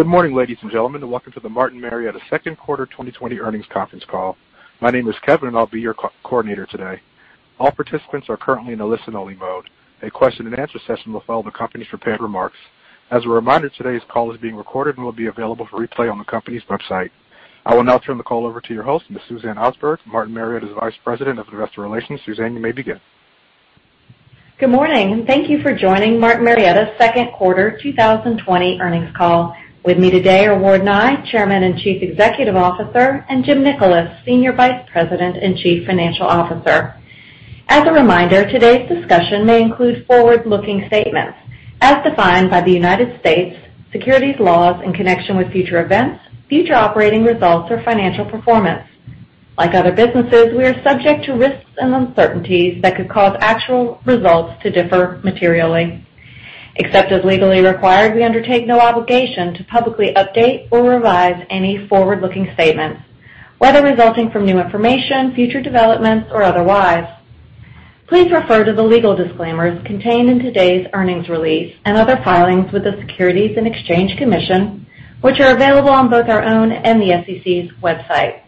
Good morning, ladies and gentlemen, and welcome to the Martin Marietta second quarter 2020 earnings conference call. My name is Kevin, and I'll be your co-coordinator today. All participants are currently in a listen-only mode. A question and answer session will follow the company's prepared remarks. As a reminder, today's call is being recorded and will be available for replay on the company's website. I will now turn the call over to your host, Ms. Suzanne Osberg, Martin Marietta's Vice President of Investor Relations. Suzanne, you may begin. Good morning. Thank you for joining Martin Marietta's second quarter 2020 earnings call. With me today are Ward Nye, Chairman and Chief Executive Officer, and Jim Nickolas, Senior Vice President and Chief Financial Officer. As a reminder, today's discussion may include forward-looking statements as defined by the U.S. securities laws in connection with future events, future operating results, or financial performance. Like other businesses, we are subject to risks and uncertainties that could cause actual results to differ materially. Except as legally required, we undertake no obligation to publicly update or revise any forward-looking statements, whether resulting from new information, future developments, or otherwise. Please refer to the legal disclaimers contained in today's earnings release and other filings with the Securities and Exchange Commission, which are available on both our own and the SEC's website.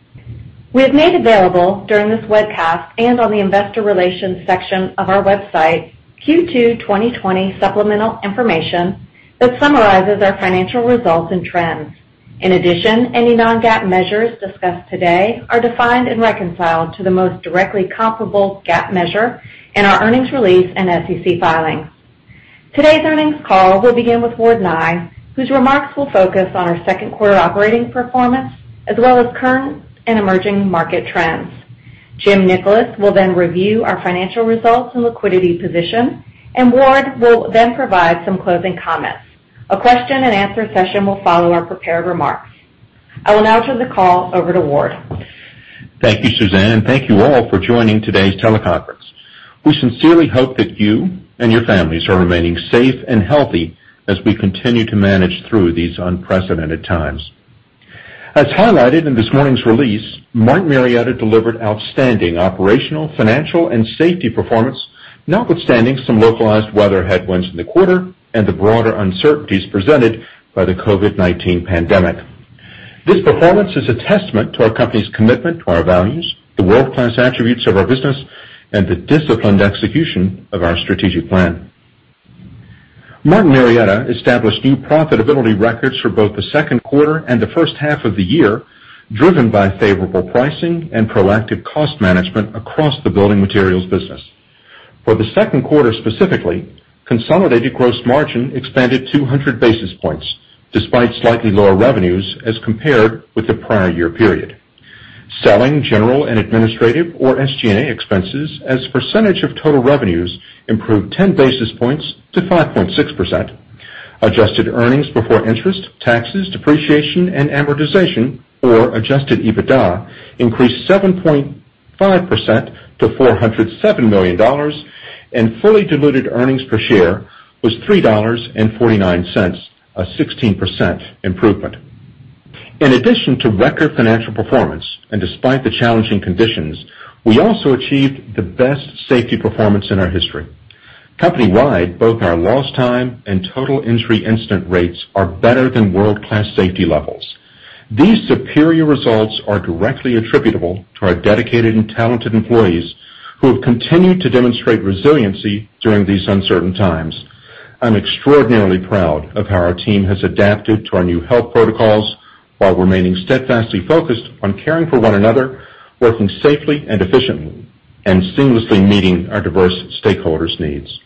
We have made available during this webcast and on the investor relations section of our website, Q2 2020 supplemental information that summarizes our financial results and trends. In addition, any non-GAAP measures discussed today are defined and reconciled to the most directly comparable GAAP measure in our earnings release and SEC filings. Today's earnings call will begin with Ward Nye, whose remarks will focus on our second quarter operating performance, as well as current and emerging market trends. Jim Nickolas will then review our financial results and liquidity position, and Ward will then provide some closing comments. A question-and-answer session will follow our prepared remarks. I will now turn the call over to Ward. Thank you, Suzanne, and thank you all for joining today's teleconference. We sincerely hope that you and your families are remaining safe and healthy as we continue to manage through these unprecedented times. As highlighted in this morning's release, Martin Marietta delivered outstanding operational, financial, and safety performance, notwithstanding some localized weather headwinds in the quarter and the broader uncertainties presented by the COVID-19 pandemic. This performance is a testament to our company's commitment to our values, the world-class attributes of our business, and the disciplined execution of our strategic plan. Martin Marietta established new profitability records for both the second quarter and the first half of the year, driven by favorable pricing and proactive cost management across the building materials business. For the second quarter, specifically, consolidated gross margin expanded 200 basis points despite slightly lower revenues as compared with the prior year period. Selling, general, and administrative or SG&A expenses as a percentage of total revenues improved 10 basis points to 5.6%. Adjusted earnings before interest, taxes, depreciation, and amortization, or adjusted EBITDA, increased 7.5% to $407 million, and fully diluted earnings per share was $3.49, a 16% improvement. In addition to record financial performance and despite the challenging conditions, we also achieved the best safety performance in our history. Company-wide, both our lost time and total injury incident rates are better than world-class safety levels. These superior results are directly attributable to our dedicated and talented employees, who have continued to demonstrate resiliency during these uncertain times. I'm extraordinarily proud of how our team has adapted to our new health protocols while remaining steadfastly focused on caring for one another, working safely and efficiently, and seamlessly meeting our diverse stakeholders' needs.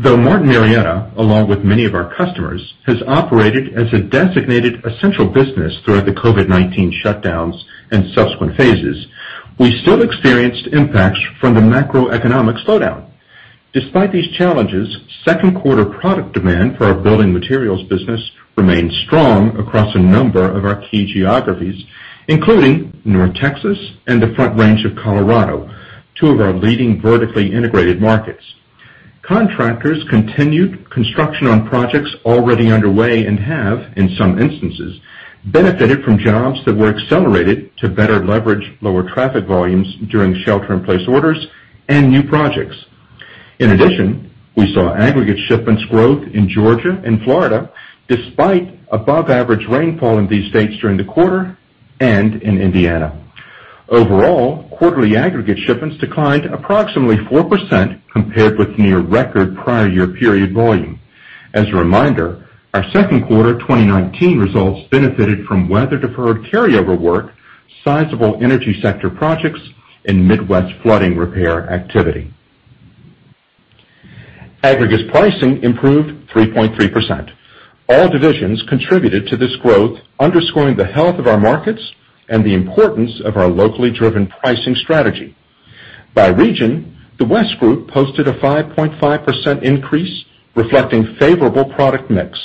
Though Martin Marietta, along with many of our customers, has operated as a designated essential business throughout the COVID-19 shutdowns and subsequent phases, we still experienced impacts from the macroeconomic slowdown. Despite these challenges, second quarter product demand for our building materials business remained strong across a number of our key geographies, including North Texas and the Front Range of Colorado, two of our leading vertically integrated markets. Contractors continued construction on projects already underway and have, in some instances, benefited from jobs that were accelerated to better leverage lower traffic volumes during shelter-in-place orders and new projects. In addition, we saw aggregate shipments growth in Georgia and Florida, despite above-average rainfall in these states during the quarter, and in Indiana. Overall, quarterly aggregate shipments declined approximately 4% compared with near record prior year period volume. As a reminder, our second quarter 2019 results benefited from weather-deferred carryover work, sizable energy sector projects, and Midwest flooding repair activity. Aggregate pricing improved 3.3%. All divisions contributed to this growth, underscoring the health of our markets and the importance of our locally driven pricing strategy. By region, the West Group posted a 5.5% increase, reflecting favorable product mix.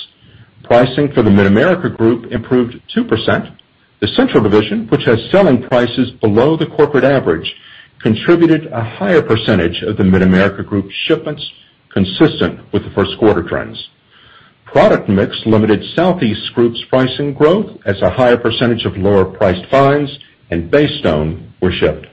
Pricing for the Mid-America Group improved 2%. The Central Division, which has selling prices below the corporate average, contributed a higher percentage of the Mid-America Group shipments consistent with the first quarter trends. Product mix limited Southeast Group's pricing growth as a higher percentage of lower priced fines and base stone were shipped.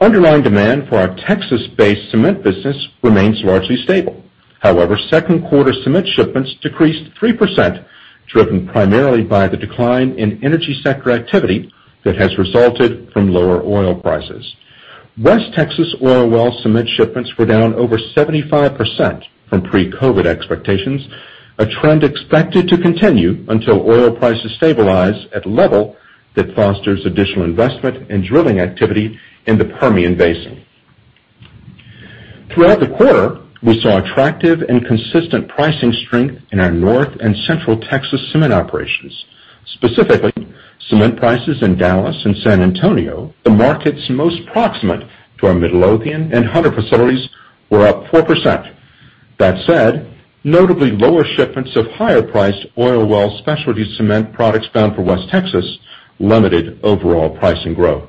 Underlying demand for our Texas-based cement business remains largely stable. However, second quarter cement shipments decreased 3%, driven primarily by the decline in energy sector activity that has resulted from lower oil prices. West Texas oil well cement shipments were down over 75% from pre-COVID expectations, a trend expected to continue until oil prices stabilize at a level that fosters additional investment in drilling activity in the Permian Basin. Throughout the quarter, we saw attractive and consistent pricing strength in our North and Central Texas cement operations. Specifically, cement prices in Dallas and San Antonio, the markets most proximate to our Midlothian and Hunter facilities, were up 4%. That said, notably lower shipments of higher-priced oil well specialty cement products bound for West Texas limited overall pricing growth.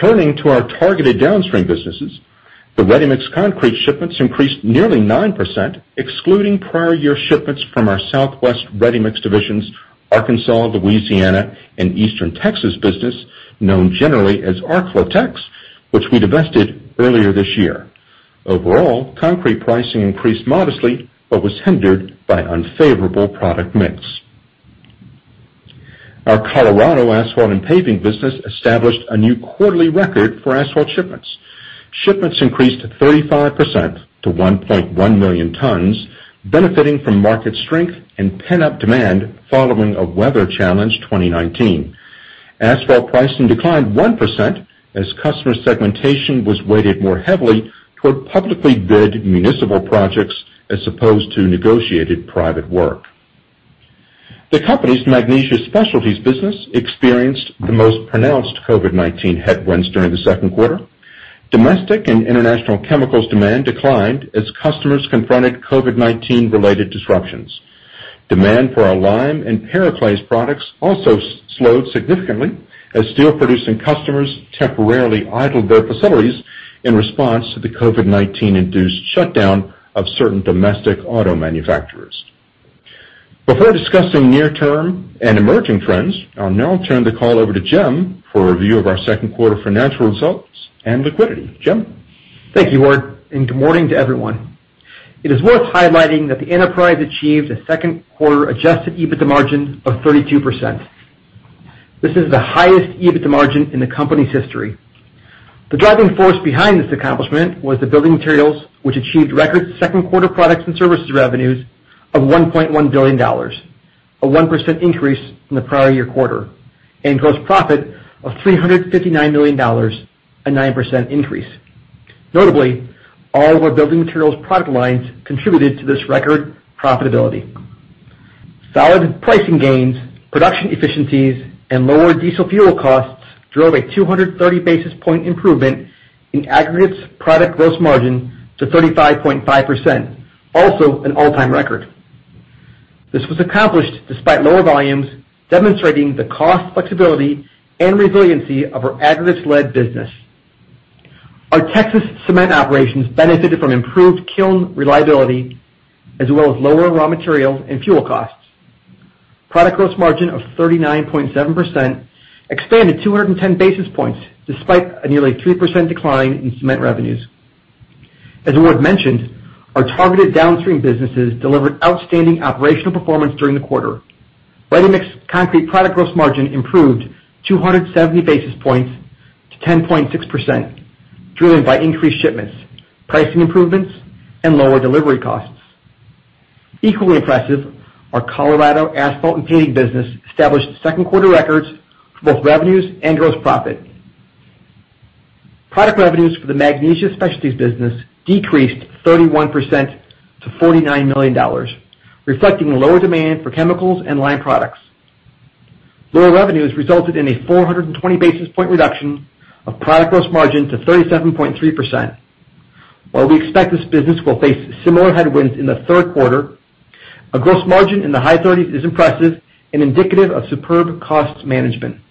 Turning to our targeted downstream businesses, the ready-mix concrete shipments increased nearly 9%, excluding prior year shipments from our Southwest ready-mix divisions, Arkansas, Louisiana, and Eastern Texas business, known generally as ArkLaTex, which we divested earlier this year. Overall, concrete pricing increased modestly but was hindered by unfavorable product mix. Our Colorado asphalt and paving business established a new quarterly record for asphalt shipments. Shipments increased 35% to 1.1 million tons, benefiting from market strength and pent-up demand following a weather-challenged 2019. Asphalt pricing declined 1% as customer segmentation was weighted more heavily toward publicly bid municipal projects as opposed to negotiated private work. The company's Magnesia Specialties business experienced the most pronounced COVID-19 headwinds during the second quarter. Domestic and international chemicals demand declined as customers confronted COVID-19 related disruptions. Demand for our lime and periclase products also slowed significantly as steel producing customers temporarily idled their facilities in response to the COVID-19-induced shutdown of certain domestic auto manufacturers. Before discussing near-term and emerging trends, I'll now turn the call over to Jim for a review of our second quarter financial results and liquidity. Jim? Thank you, Ward, and good morning to everyone. It is worth highlighting that the enterprise achieved a second quarter adjusted EBITDA margin of 32%. This is the highest EBITDA margin in the company's history. The driving force behind this accomplishment was the building materials, which achieved record second quarter products and services revenues of $1.1 billion, a 1% increase from the prior year quarter, and gross profit of $359 million, a 9% increase. Notably, all of our building materials product lines contributed to this record profitability. Solid pricing gains, production efficiencies, and lower diesel fuel costs drove a 230 basis point improvement in aggregates product gross margin to 35.5%, also an all-time record. This was accomplished despite lower volumes, demonstrating the cost flexibility and resiliency of our aggregates-led business. Our Texas cement operations benefited from improved kiln reliability, as well as lower raw materials and fuel costs. Product gross margin of 39.7% expanded 210 basis points despite a nearly 3% decline in cement revenues. As Ward mentioned, our targeted downstream businesses delivered outstanding operational performance during the quarter. Ready-mix concrete product gross margin improved 270 basis points to 10.6%, driven by increased shipments, pricing improvements, and lower delivery costs. Equally impressive, our Colorado asphalt and paving business established second quarter records for both revenues and gross profit. Product revenues for the Magnesia Specialties business decreased 31% to $49 million, reflecting lower demand for chemicals and lime products. Lower revenues resulted in a 420 basis point reduction of product gross margin to 37.3%. While we expect this business will face similar headwinds in the third quarter, a gross margin in the high 30s is impressive and indicative of superb cost management.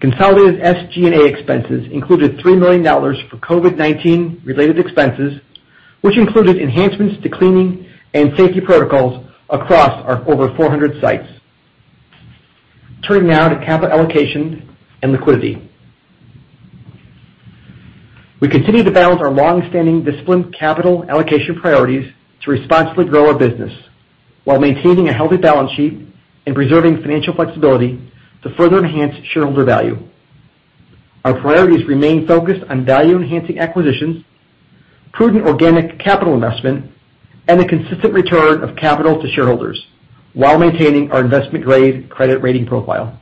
Consolidated SG&A expenses included $3 million for COVID-19 related expenses, which included enhancements to cleaning and safety protocols across our over 400 sites. Turning now to capital allocation and liquidity. We continue to balance our longstanding disciplined capital allocation priorities to responsibly grow our business while maintaining a healthy balance sheet and preserving financial flexibility to further enhance shareholder value. Our priorities remain focused on value enhancing acquisitions, prudent organic capital investment, and the consistent return of capital to shareholders while maintaining our investment-grade credit rating profile.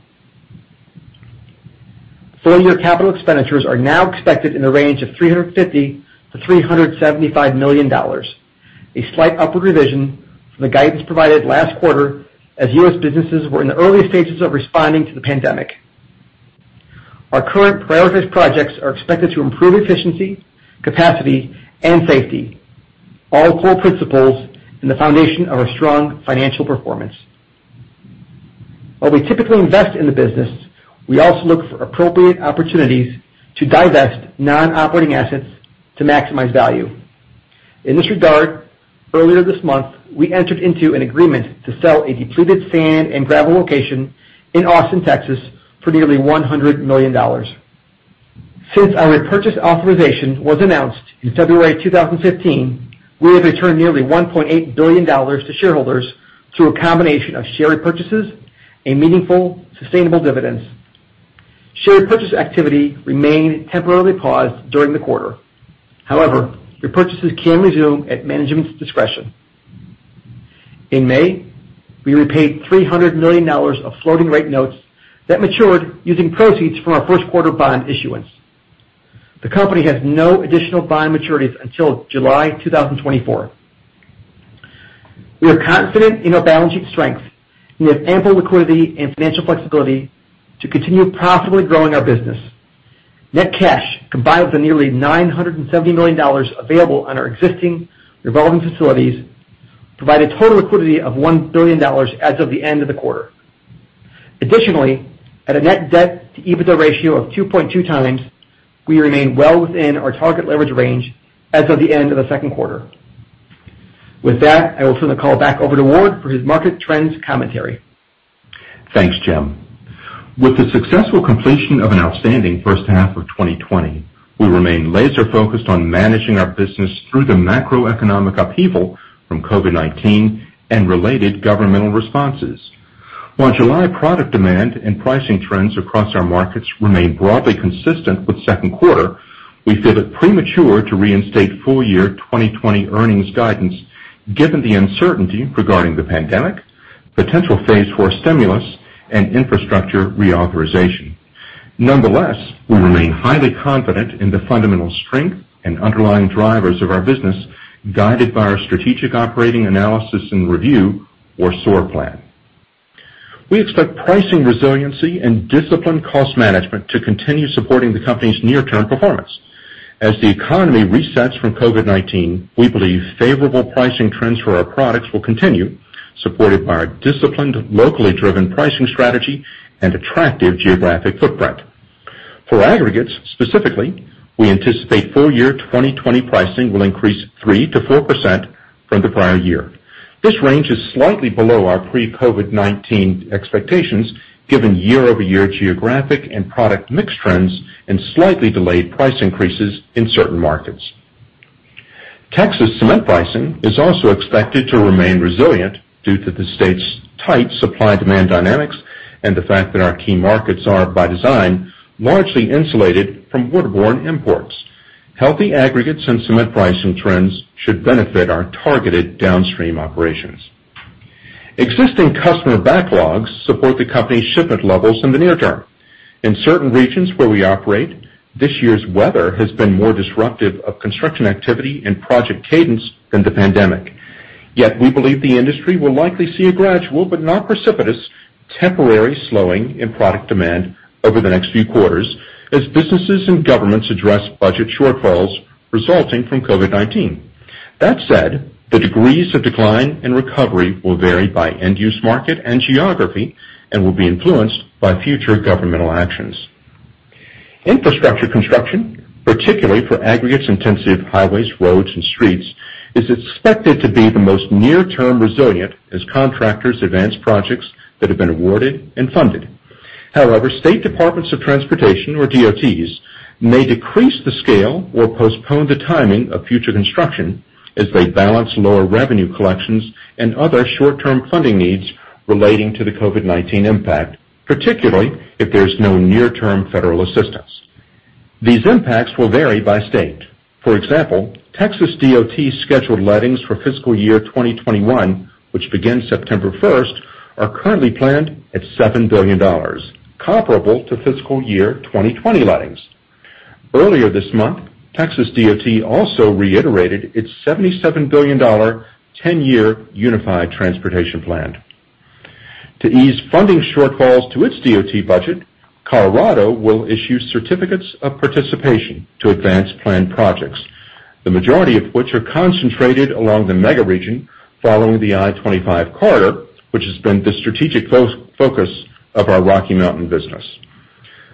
Full-year capital expenditures are now expected in the range of $350 million-$375 million, a slight upward revision from the guidance provided last quarter as U.S. businesses were in the early stages of responding to the pandemic. Our current prioritized projects are expected to improve efficiency, capacity, and safety, all core principles in the foundation of our strong financial performance. While we typically invest in the business, we also look for appropriate opportunities to divest non-operating assets to maximize value. In this regard, earlier this month, we entered into an agreement to sell a depleted sand and gravel location in Austin, Texas, for $100 million. Since our repurchase authorization was announced in February 2015, we have returned $1.8 billion to shareholders through a combination of share repurchases and meaningful sustainable dividends. Share repurchase activity remained temporarily paused during the quarter. However, repurchases can resume at management's discretion. In May, we repaid $300 million of floating rate notes that matured using proceeds from our first quarter bond issuance. The company has no additional bond maturities until July 2024. We are confident in our balance sheet strength. We have ample liquidity and financial flexibility to continue profitably growing our business. Net cash, combined with the nearly $970 million available on our existing revolving facilities, provide a total liquidity of $1 billion as of the end of the quarter. Additionally, at a net debt to EBITDA ratio of 2.2x, we remain well within our target leverage range as of the end of the second quarter. With that, I will turn the call back over to Ward for his market trends commentary. Thanks, Jim. With the successful completion of an outstanding first half of 2020, we remain laser focused on managing our business through the macroeconomic upheaval from COVID-19 and related governmental responses. While July product demand and pricing trends across our markets remain broadly consistent with second quarter, we feel it premature to reinstate full year 2020 earnings guidance given the uncertainty regarding the pandemic, potential Phase 4 stimulus, and infrastructure reauthorization. Nonetheless, we remain highly confident in the fundamental strength and underlying drivers of our business, guided by our strategic operating analysis and review, or SOAR plan. We expect pricing resiliency and disciplined cost management to continue supporting the company's near-term performance. As the economy resets from COVID-19, we believe favorable pricing trends for our products will continue, supported by our disciplined, locally driven pricing strategy and attractive geographic footprint. For aggregates, specifically, we anticipate full year 2020 pricing will increase 3% to 4% from the prior year. This range is slightly below our pre-COVID-19 expectations, given year-over-year geographic and product mix trends and slightly delayed price increases in certain markets. Texas cement pricing is also expected to remain resilient due to the state's tight supply and demand dynamics and the fact that our key markets are, by design, largely insulated from waterborne imports. Healthy aggregates and cement pricing trends should benefit our targeted downstream operations. Existing customer backlogs support the company's shipment levels in the near term. In certain regions where we operate, this year's weather has been more disruptive of construction activity and project cadence than the pandemic. We believe the industry will likely see a gradual, but not precipitous, temporary slowing in product demand over the next few quarters as businesses and governments address budget shortfalls resulting from COVID-19. That said, the degrees of decline in recovery will vary by end-use market and geography and will be influenced by future governmental actions. Infrastructure construction, particularly for aggregates intensive highways, roads, and streets, is expected to be the most near-term resilient as contractors advance projects that have been awarded and funded. State departments of transportation, or DOTs, may decrease the scale or postpone the timing of future construction as they balance lower revenue collections and other short-term funding needs relating to the COVID-19 impact, particularly if there's no near-term federal assistance. These impacts will vary by state. For example, Texas DOT scheduled lettings for fiscal year 2021, which begins September 1st, are currently planned at $7 billion, comparable to fiscal year 2020 lettings. Earlier this month, Texas DOT also reiterated its $77 billion 10-year unified transportation plan. To ease funding shortfalls to its DOT budget, Colorado will issue certificates of participation to advance planned projects, the majority of which are concentrated along the mega region following the I-25 corridor, which has been the strategic focus of our Rocky Mountain business.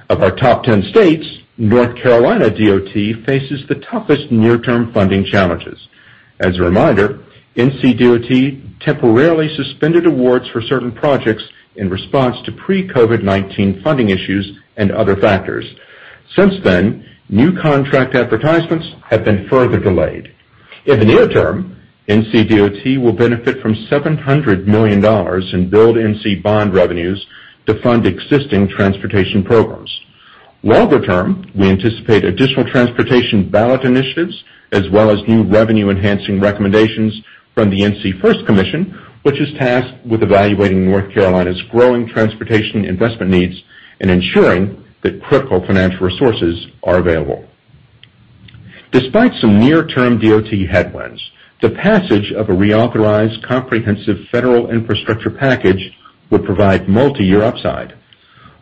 Of our top 10 states, North Carolina DOT faces the toughest near-term funding challenges. As a reminder, NC DOT temporarily suspended awards for certain projects in response to pre-COVID-19 funding issues and other factors. Since then, new contract advertisements have been further delayed. In the near term, NC DOT will benefit from $700 million in Build NC bond revenues to fund existing transportation programs. Longer term, we anticipate additional transportation ballot initiatives as well as new revenue enhancing recommendations from the NC FIRST Commission, which is tasked with evaluating North Carolina's growing transportation investment needs and ensuring that critical financial resources are available. Despite some near-term DOT headwinds, the passage of a reauthorized comprehensive federal infrastructure package would provide multi-year upside.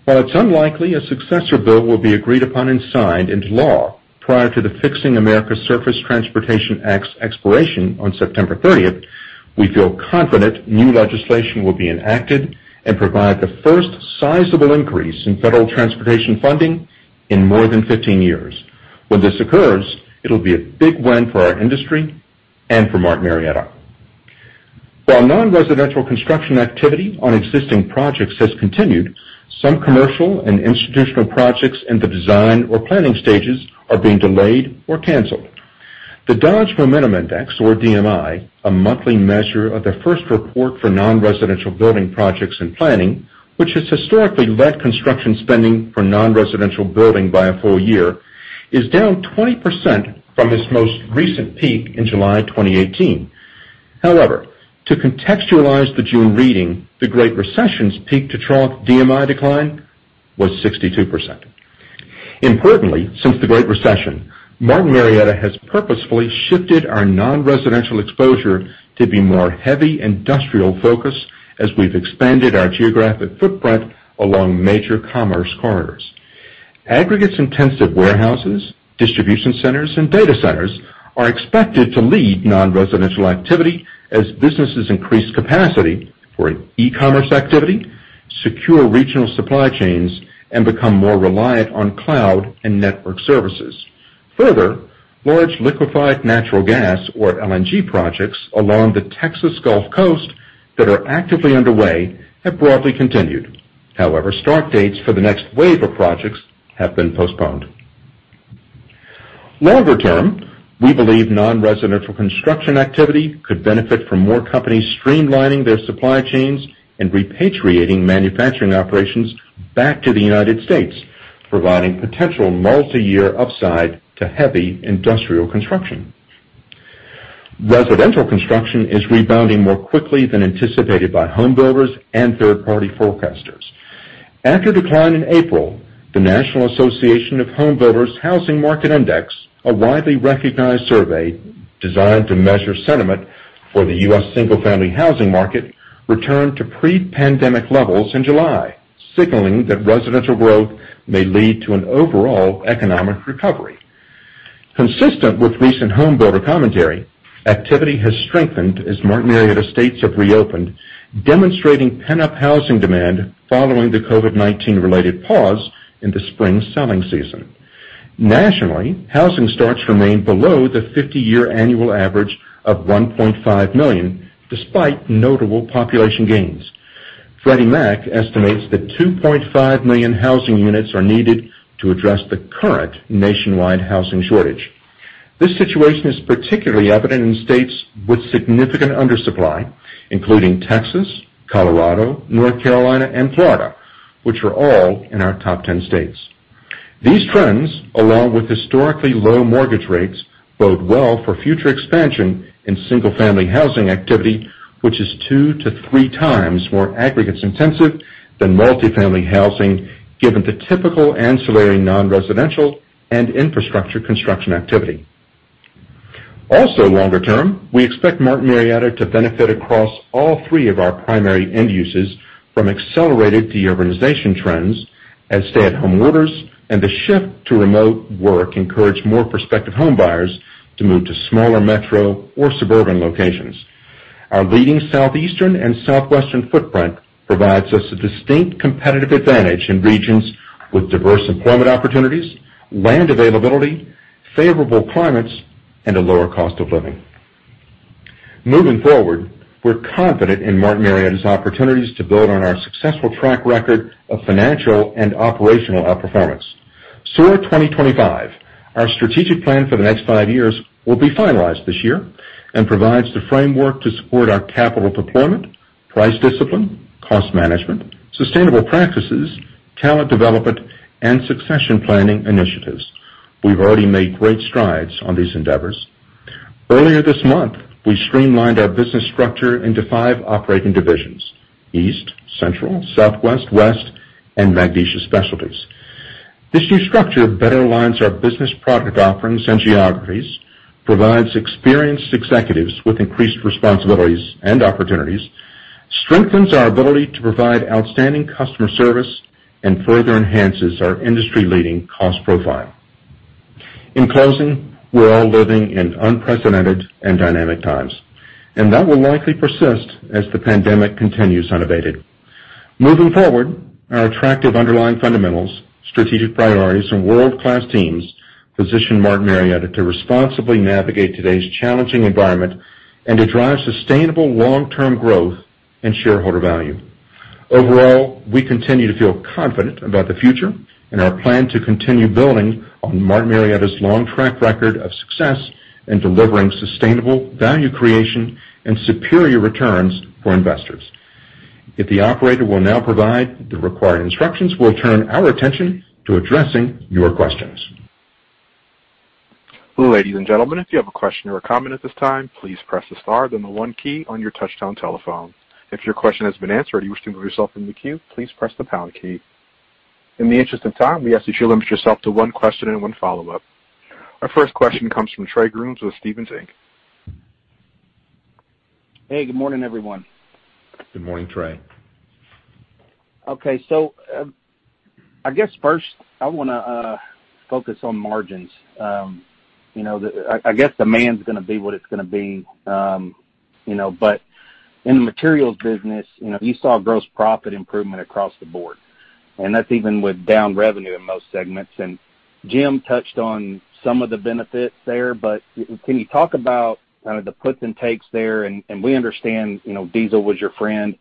While it's unlikely a successor bill will be agreed upon and signed into law prior to the Fixing America's Surface Transportation Act's expiration on September 30th. We feel confident new legislation will be enacted and provide the first sizable increase in federal transportation funding in more than 15 years. When this occurs, it'll be a big win for our industry and for Martin Marietta. While non-residential construction activity on existing projects has continued, some commercial and institutional projects in the design or planning stages are being delayed or canceled. The Dodge Momentum Index, or DMI, a monthly measure of the first report for non-residential building projects and planning, which has historically led construction spending for non-residential building by a full year, is down 20% from its most recent peak in July 2018. However, to contextualize the June reading, the Great Recession's peak-to-trough DMI decline was 62%. Importantly, since the Great Recession, Martin Marietta has purposefully shifted our non-residential exposure to be more heavy industrial focused as we've expanded our geographic footprint along major commerce corridors. Aggregates-intensive warehouses, distribution centers, and data centers are expected to lead non-residential activity as businesses increase capacity for e-commerce activity, secure regional supply chains, and become more reliant on cloud and network services. Further, large liquified natural gas, or LNG projects, along the Texas Gulf Coast that are actively underway have broadly continued. However, start dates for the next wave of projects have been postponed. Longer term, we believe non-residential construction activity could benefit from more companies streamlining their supply chains and repatriating manufacturing operations back to the U.S., providing potential multi-year upside to heavy industrial construction. Residential construction is rebounding more quickly than anticipated by home builders and third-party forecasters. After decline in April, the National Association of Home Builders housing market index, a widely recognized survey designed to measure sentiment for the U.S. single-family housing market, returned to pre-pandemic levels in July, signaling that residential growth may lead to an overall economic recovery. Consistent with recent home builder commentary, activity has strengthened as Martin Marietta states have reopened, demonstrating pent-up housing demand following the COVID-19 related pause in the spring selling season. Nationally, housing starts remain below the 50-year annual average of 1.5 million, despite notable population gains. Freddie Mac estimates that 2.5 million housing units are needed to address the current nationwide housing shortage. This situation is particularly evident in states with significant undersupply, including Texas, Colorado, North Carolina, and Florida, which are all in our top 10 states. These trends, along with historically low mortgage rates, bode well for future expansion in single-family housing activity, which is two to three times more aggregates intensive than multifamily housing, given the typical ancillary non-residential and infrastructure construction activity. Also longer term, we expect Martin Marietta to benefit across all three of our primary end uses from accelerated de-urbanization trends as stay-at-home orders and the shift to remote work encourage more prospective home buyers to move to smaller metro or suburban locations. Our leading southeastern and southwestern footprint provides us a distinct competitive advantage in regions with diverse employment opportunities, land availability, favorable climates, and a lower cost of living. Moving forward, we're confident in Martin Marietta's opportunities to build on our successful track record of financial and operational outperformance. SOAR 2025, our strategic plan for the next five years, will be finalized this year and provides the framework to support our capital deployment, price discipline, cost management, sustainable practices, talent development, and succession planning initiatives. We've already made great strides on these endeavors. Earlier this month, we streamlined our business structure into five operating divisions: East, Central, Southwest, West, and Magnesia Specialties. This new structure better aligns our business product offerings and geographies, provides experienced executives with increased responsibilities and opportunities, strengthens our ability to provide outstanding customer service, and further enhances our industry-leading cost profile. In closing, we're all living in unprecedented and dynamic times, and that will likely persist as the pandemic continues unabated. Moving forward, our attractive underlying fundamentals, strategic priorities, and world-class teams position Martin Marietta to responsibly navigate today's challenging environment and to drive sustainable long-term growth and shareholder value. Overall, we continue to feel confident about the future and our plan to continue building on Martin Marietta's long track record of success in delivering sustainable value creation and superior returns for investors. If the operator will now provide the required instructions, we'll turn our attention to addressing your questions. Ladies and gentlemen, if you have a question or a comment at this time, please press the star, then the one key on your touchtone telephone. If your question has been answered and you wish to remove yourself from the queue, please press the pound key. In the interest of time, we ask that you limit yourself to one question and one follow-up. Our first question comes from Trey Grooms with Stephens Inc. Hey, good morning, everyone. Good morning, Trey. Okay. I guess first I want to focus on margins. I guess demand's going to be what it's going to be. In the materials business, you saw gross profit improvement across the board, and that's even with down revenue in most segments. Jim touched on some of the benefits there, but can you talk about kind of the puts and takes there? We understand diesel was your friend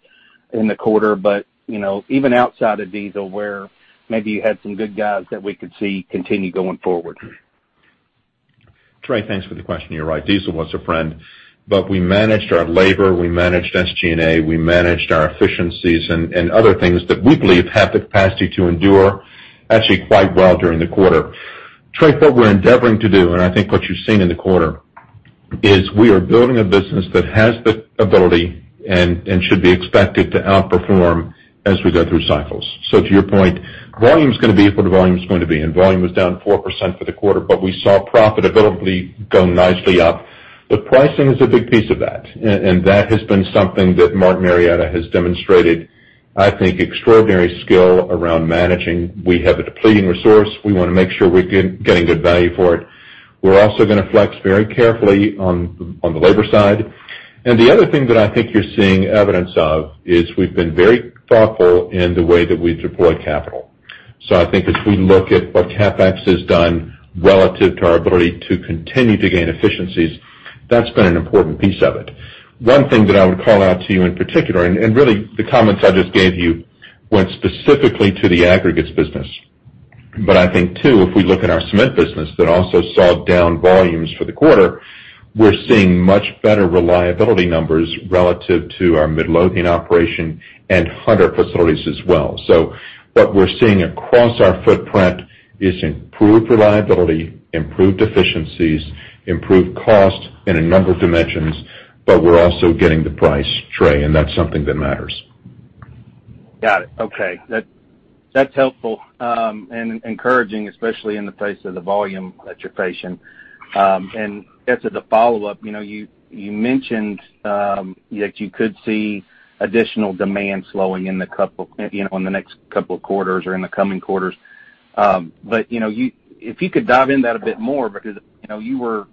in the quarter, but even outside of diesel, where maybe you had some good guys that we could see continue going forward. Trey, thanks for the question. You're right, diesel was a friend, but we managed our labor, we managed SG&A, we managed our efficiencies and other things that we believe have the capacity to endure actually quite well during the quarter. Trey, what we're endeavoring to do, and I think what you're seeing in the quarter, is we are building a business that has the ability and should be expected to outperform as we go through cycles. To your point, volume's going to be what volume's going to be, and volume was down 4% for the quarter, but we saw profitability go nicely up. Pricing is a big piece of that, and that has been something that Martin Marietta has demonstrated, I think, extraordinary skill around managing. We have a depleting resource. We want to make sure we're getting good value for it. We're also going to flex very carefully on the labor side. The other thing that I think you're seeing evidence of is we've been very thoughtful in the way that we deploy capital. I think as we look at what CapEx has done relative to our ability to continue to gain efficiencies, that's been an important piece of it. One thing that I would call out to you in particular, and really the comments I just gave you went specifically to the aggregates business. I think too, if we look at our cement business that also saw down volumes for the quarter, we're seeing much better reliability numbers relative to our Midlothian operation and Hunter facilities as well. What we're seeing across our footprint is improved reliability, improved efficiencies, improved cost in a number of dimensions, but we're also getting the price, Trey, and that's something that matters. Got it. Okay. That's helpful, and encouraging, especially in the face of the volume that you're facing. As a follow-up, you mentioned that you could see additional demand slowing in the next couple of quarters or in the coming quarters. If you could dive in that a bit more, because you were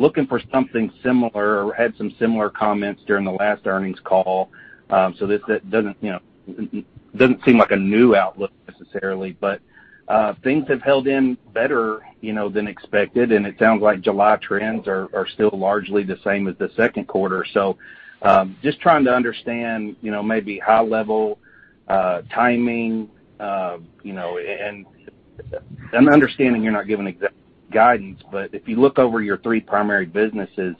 looking for something similar or had some similar comments during the last earnings call. This doesn't seem like a new outlook necessarily, but things have held in better than expected, and it sounds like July trends are still largely the same as the second quarter. Just trying to understand maybe high level timing, and I'm understanding you're not giving exact guidance, but if you look over your three primary businesses,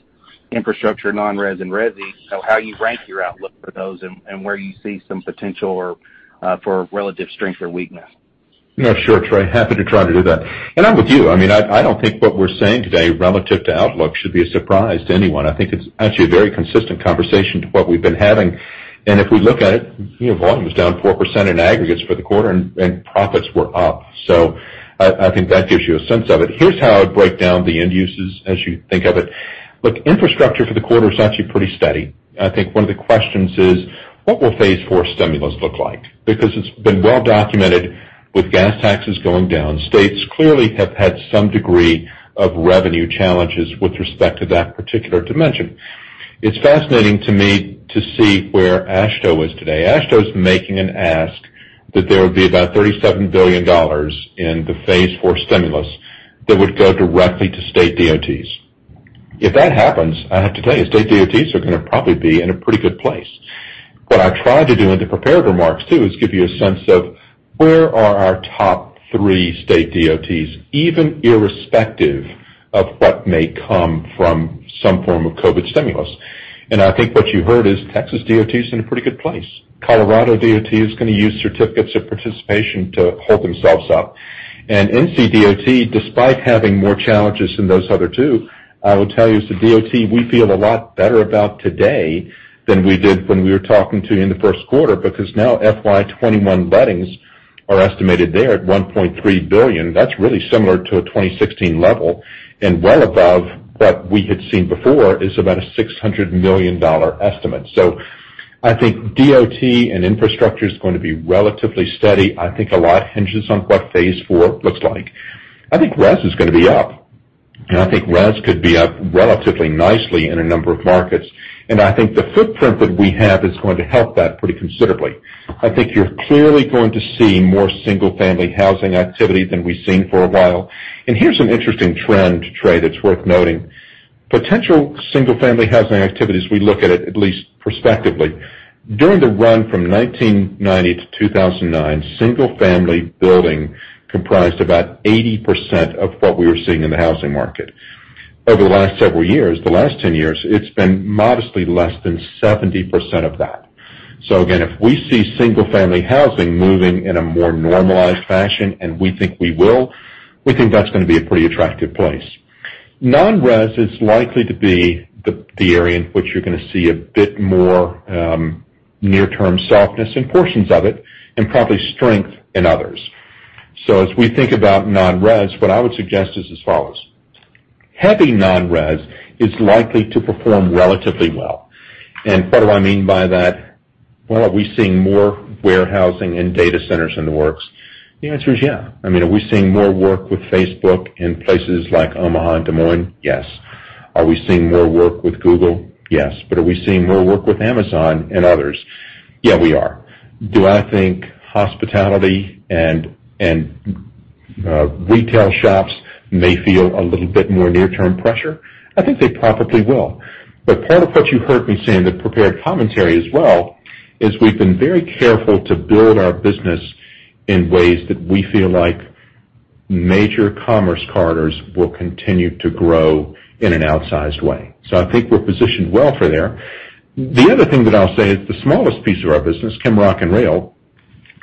infrastructure, non-res, and resi, how you rank your outlook for those and where you see some potential for relative strength or weakness. Yeah, sure, Trey. Happy to try to do that. I'm with you. I don't think what we're saying today relative to outlook should be a surprise to anyone. I think it's actually a very consistent conversation to what we've been having. If we look at it, volume is down 4% in aggregates for the quarter and profits were up. I think that gives you a sense of it. Here's how I'd break down the end uses as you think of it. Look, infrastructure for the quarter is actually pretty steady. I think one of the questions is, what will Phase 4 stimulus look like? It's been well documented with gas taxes going down, states clearly have had some degree of revenue challenges with respect to that particular dimension. It's fascinating to me to see where AASHTO is today. AASHTO is making an ask that there would be about $37 billion in the Phase 4 stimulus that would go directly to state DOTs. If that happens, I have to tell you, state DOTs are going to probably be in a pretty good place. What I tried to do in the prepared remarks, too, is give you a sense of where are our top three state DOTs, even irrespective of what may come from some form of COVID stimulus. I think what you heard is Texas DOT is in a pretty good place. Colorado DOT is going to use certificates of participation to hold themselves up. NC DOT, despite having more challenges than those other two, I will tell you as a DOT, we feel a lot better about today than we did when we were talking to you in the first quarter, because now FY 2021 lettings are estimated there at $1.3 billion. That's really similar to a 2016 level and well above what we had seen before is about a $600 million estimate. I think DOT and infrastructure is going to be relatively steady. I think a lot hinges on what Phase 4 looks like. I think res is going to be up, and I think res could be up relatively nicely in a number of markets. I think the footprint that we have is going to help that pretty considerably. I think you're clearly going to see more single-family housing activity than we've seen for a while. Here's an interesting trend, Trey, that's worth noting. Potential single-family housing activities, we look at it at least prospectively. During the run from 1990 to 2009, single-family building comprised about 80% of what we were seeing in the housing market. Over the last several years, the last 10 years, it's been modestly less than 70% of that. Again, if we see single-family housing moving in a more normalized fashion, and we think we will, we think that's going to be a pretty attractive place. Non-res is likely to be the area in which you're going to see a bit more near-term softness in portions of it and probably strength in others. As we think about non-res, what I would suggest is as follows. Heavy non-res is likely to perform relatively well. What do I mean by that? Are we seeing more warehousing and data centers in the works? The answer is yeah. Are we seeing more work with Facebook in places like Omaha and Des Moines? Yes. Are we seeing more work with Google? Yes. Are we seeing more work with Amazon and others? Yeah, we are. Do I think hospitality and retail shops may feel a little bit more near-term pressure? I think they probably will. Part of what you heard me say in the prepared commentary as well, is we've been very careful to build our business in ways that we feel like major commerce carridors will continue to grow in an outsized way. I think we're positioned well for there. The other thing that I'll say is the smallest piece of our business, ChemRock and Rail,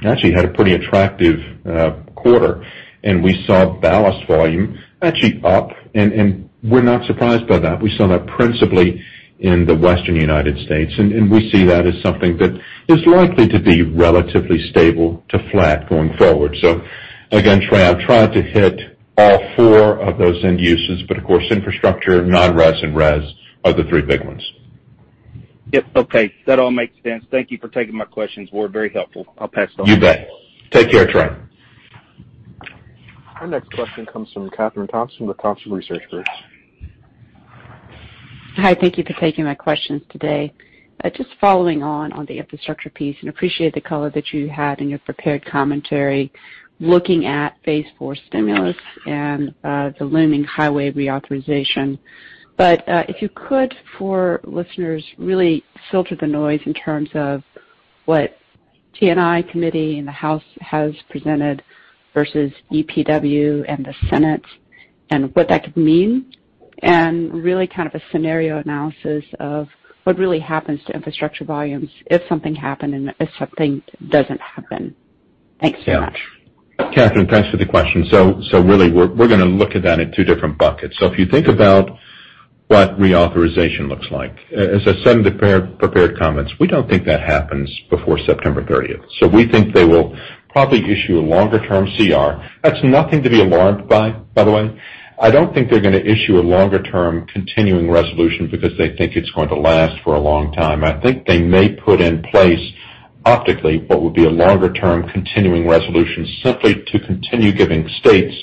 actually had a pretty attractive quarter, and we saw ballast volume actually up, and we're not surprised by that. We saw that principally in the Western United States, and we see that as something that is likely to be relatively stable to flat going forward. Again, Trey, I've tried to hit all four of those end uses, but of course, infrastructure, non-res, and res are the three big ones. Yep. Okay. That all makes sense. Thank you for taking my questions, Ward. Very helpful. I'll pass it on. You bet. Take care, Trey. Our next question comes from Kathryn Thompson with Thompson Research Group. Hi, thank you for taking my questions today. Just following on the infrastructure piece, and appreciate the color that you had in your prepared commentary looking at Phase 4 stimulus and the looming highway reauthorization. If you could, for listeners, really filter the noise in terms of what T&I committee and the House has presented versus EPW and the Senate and what that could mean, and really a scenario analysis of what really happens to infrastructure volumes if something happened and if something doesn't happen. Thanks very much. Yeah. Kathryn, thanks for the question. Really, we’re going to look at that in two different buckets. If you think about what reauthorization looks like. As I said in prepared comments, we don’t think that happens before September 30th. We think they will probably issue a longer-term CR. That’s nothing to be alarmed by, the way. I don’t think they’re going to issue a longer-term continuing resolution because they think it’s going to last for a long time. I think they may put in place optically what would be a longer-term continuing resolution simply to continue giving states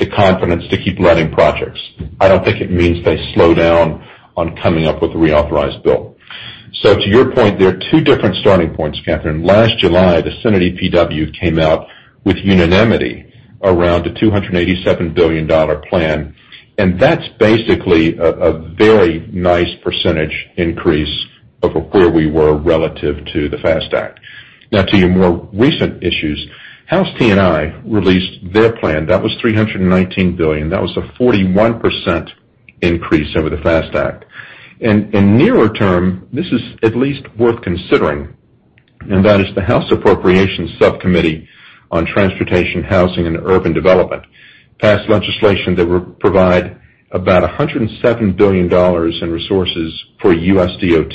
the confidence to keep letting projects. I don’t think it means they slow down on coming up with a reauthorized bill. To your point, there are two different starting points, Kathryn. Last July, the Senate EPW came out with unanimity around a $287 billion plan, that's basically a very nice percentage increase over where we were relative to the FAST Act. Now to your more recent issues, House T&I released their plan. That was $319 billion. That was a 41% increase over the FAST Act. In nearer term, this is at least worth considering, that is the House Appropriations Subcommittee on Transportation, Housing, and Urban Development passed legislation that would provide about $107 billion in resources for US DOT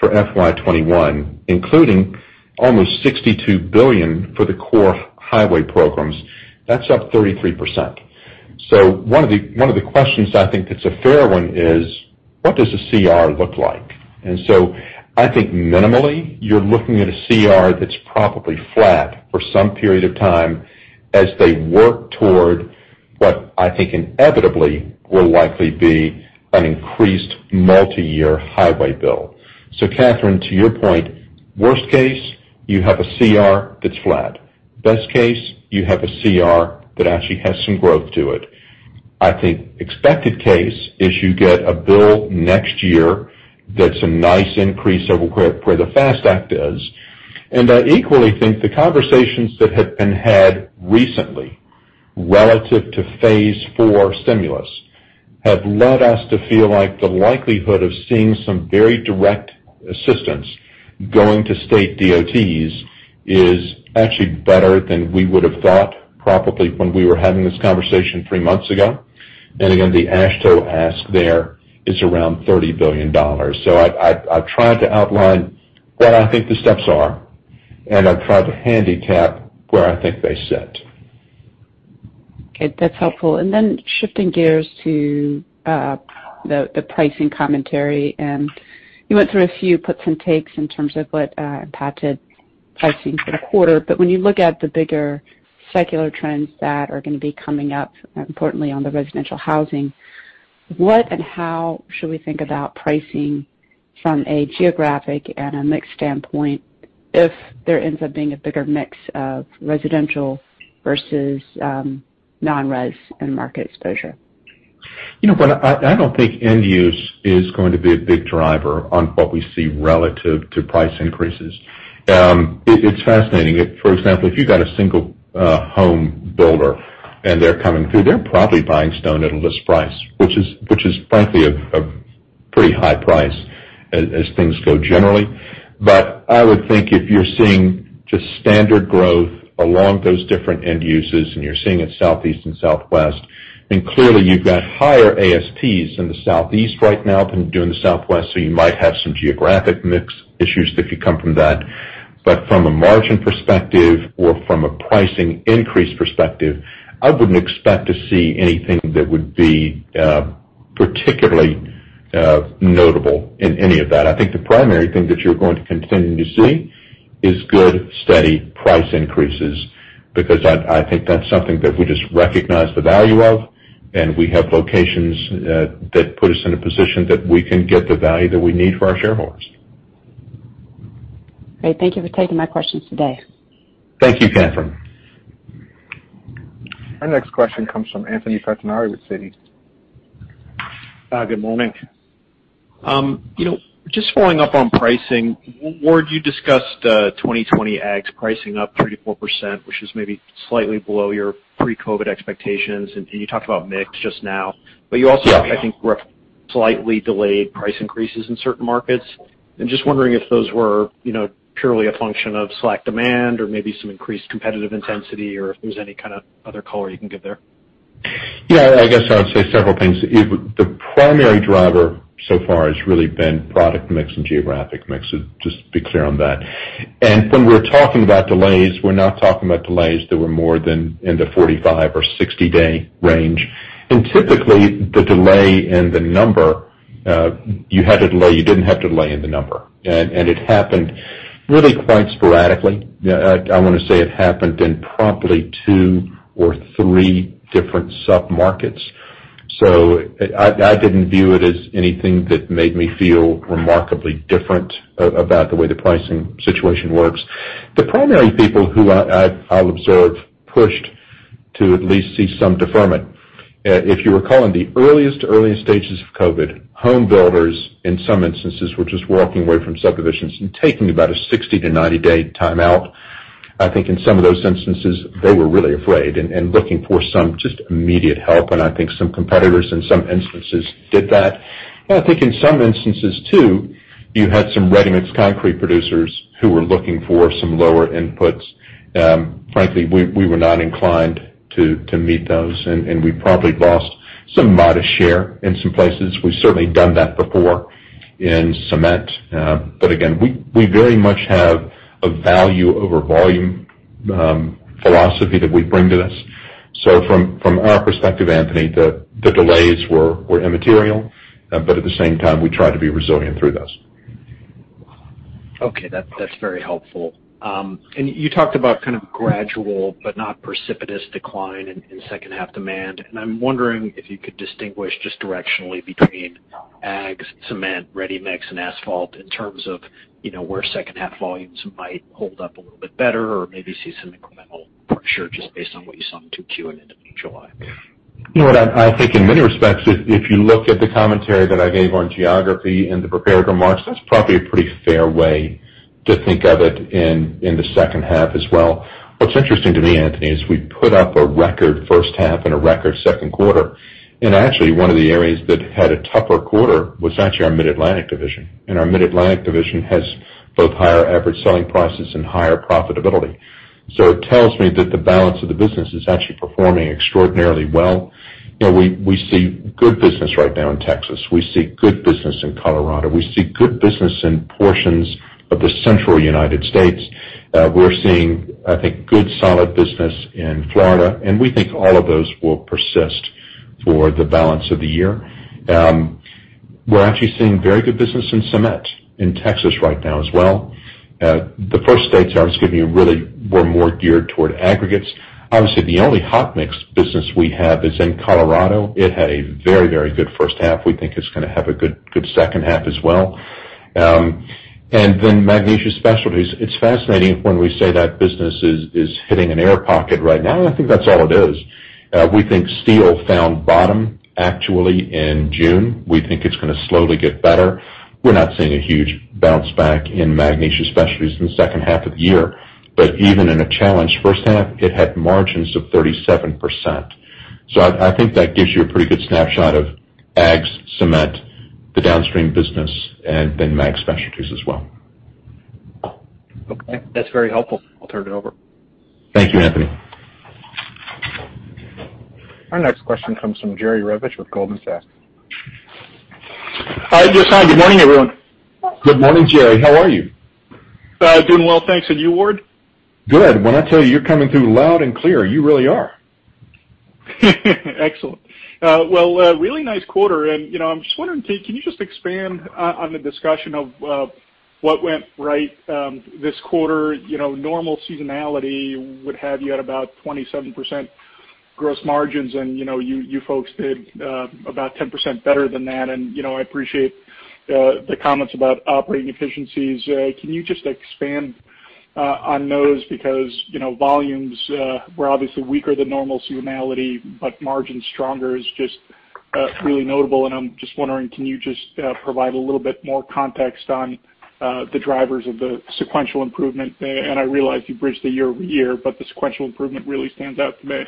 for FY 2021, including almost $62 billion for the core highway programs. That's up 33%. One of the questions I think that's a fair one is, what does a CR look like? I think minimally, you're looking at a CR that's probably flat for some period of time as they work toward what I think inevitably will likely be an increased multi-year highway bill. Kathryn, to your point, worst case, you have a CR that's flat. Best case, you have a CR that actually has some growth to it. I think expected case is you get a bill next year that's a nice increase over where the FAST Act is. I equally think the conversations that have been had recently relative to Phase 4 stimulus have led us to feel like the likelihood of seeing some very direct assistance going to state DOTs is actually better than we would have thought probably when we were having this conversation three months ago. Again, the AASHTO ask there is around $30 billion. I've tried to outline what I think the steps are, and I've tried to handicap where I think they sit. Okay, that's helpful. Then shifting gears to the pricing commentary, and you went through a few puts and takes in terms of what impacted pricing for the quarter. When you look at the bigger secular trends that are going to be coming up, importantly on the residential housing, what and how should we think about pricing from a geographic and a mix standpoint if there ends up being a bigger mix of residential versus non-res and market exposure? I don't think end use is going to be a big driver on what we see relative to price increases. It's fascinating. For example, if you've got a single home builder and they're coming through, they're probably buying stone at a list price, which is frankly a pretty high price as things go generally. I would think if you're seeing just standard growth along those different end uses and you're seeing it Southeast and Southwest, and clearly you've got higher ASPs in the Southeast right now than you do in the Southwest, so you might have some geographic mix issues that could come from that. From a margin perspective or from a pricing increase perspective, I wouldn't expect to see anything that would be particularly notable in any of that. I think the primary thing that you're going to continue to see is good, steady price increases, because I think that's something that we just recognize the value of, and we have locations that put us in a position that we can get the value that we need for our shareholders. Great. Thank you for taking my questions today. Thank you, Kathryn. Our next question comes from Anthony Pettinari with Citi. Good morning. Just following up on pricing. Ward, you discussed 2020 Aggs pricing up 3% to 4%, which is maybe slightly below your pre-COVID expectations. You talked about mix just now, but you also, I think, were slightly delayed price increases in certain markets. I'm just wondering if those were purely a function of slack demand or maybe some increased competitive intensity, or if there's any kind of other color you can give there. I guess I would say several things. The primary driver so far has really been product mix and geographic mix. Just to be clear on that. When we're talking about delays, we're not talking about delays that were more than in the 45 or 60-day range. Typically, the delay in the number, you had a delay, you didn't have delay in the number. It happened really quite sporadically. I want to say it happened in probably two or three different sub-markets. I didn't view it as anything that made me feel remarkably different about the way the pricing situation works. The primary people who I'll observe, pushed to at least see some deferment. If you recall, in the earliest stages of COVID-19, home builders, in some instances, were just walking away from subdivisions and taking about a 60 to 90-day timeout. I think in some of those instances, they were really afraid and looking for some just immediate help. I think some competitors in some instances did that. I think in some instances, too, you had some ready-mix concrete producers who were looking for some lower inputs. Frankly, we were not inclined to meet those, and we probably lost some modest share in some places. We've certainly done that before in cement. Again, we very much have a value over volume philosophy that we bring to this. From our perspective, Anthony, the delays were immaterial, but at the same time, we tried to be resilient through those. Okay. That's very helpful. You talked about kind of gradual but not precipitous decline in second half demand. I'm wondering if you could distinguish just directionally between Aggs, Cement, Ready-Mix, and Asphalt in terms of where second half volumes might hold up a little bit better or maybe see some incremental pressure just based on what you saw in 2Q and into mid-July. I think in many respects, if you look at the commentary that I gave on geography in the prepared remarks, that's probably a pretty fair way to think of it in the second half as well. What's interesting to me, Anthony, is we put up a record first half and a record second quarter, and actually one of the areas that had a tougher quarter was actually our Mid-Atlantic Division. Our Mid-Atlantic Division has both higher average selling prices and higher profitability. It tells me that the balance of the business is actually performing extraordinarily well. We see good business right now in Texas. We see good business in Colorado. We see good business in portions of the central United States. We're seeing, I think, good, solid business in Florida, and we think all of those will persist for the balance of the year. We're actually seeing very good business in Cement in Texas right now as well. The first states I was giving you really were more geared toward aggregates. Obviously, the only hot mix business we have is in Colorado. It had a very good first half. We think it's going to have a good second half as well. Magnesia Specialties, it's fascinating when we say that business is hitting an air pocket right now, and I think that's all it is. We think steel found bottom actually in June. We think it's going to slowly get better. We're not seeing a huge bounce back in Magnesia Specialties in the second half of the year. Even in a challenged first half, it had margins of 37%. I think that gives you a pretty good snapshot of Aggs, Cement, the downstream business, and then Magnesia Specialties as well. Okay. That's very helpful. I'll turn it over. Thank you, Anthony. Our next question comes from Jerry Revich with Goldman Sachs. Hi, good morning, everyone. Good morning, Jerry. How are you? Doing well, thanks. You, Ward? Good. When I tell you you're coming through loud and clear, you really are. Excellent. Well, really nice quarter. I'm just wondering, can you just expand on the discussion of what went right this quarter? Normal seasonality would have you at about 27% gross margins. You folks did about 10% better than that. I appreciate the comments about operating efficiencies. Can you just expand on those? Volumes were obviously weaker than normal seasonality. Margins stronger is just really notable. I'm just wondering, can you just provide a little bit more context on the drivers of the sequential improvement? I realize you bridged the year-over-year. The sequential improvement really stands out to me.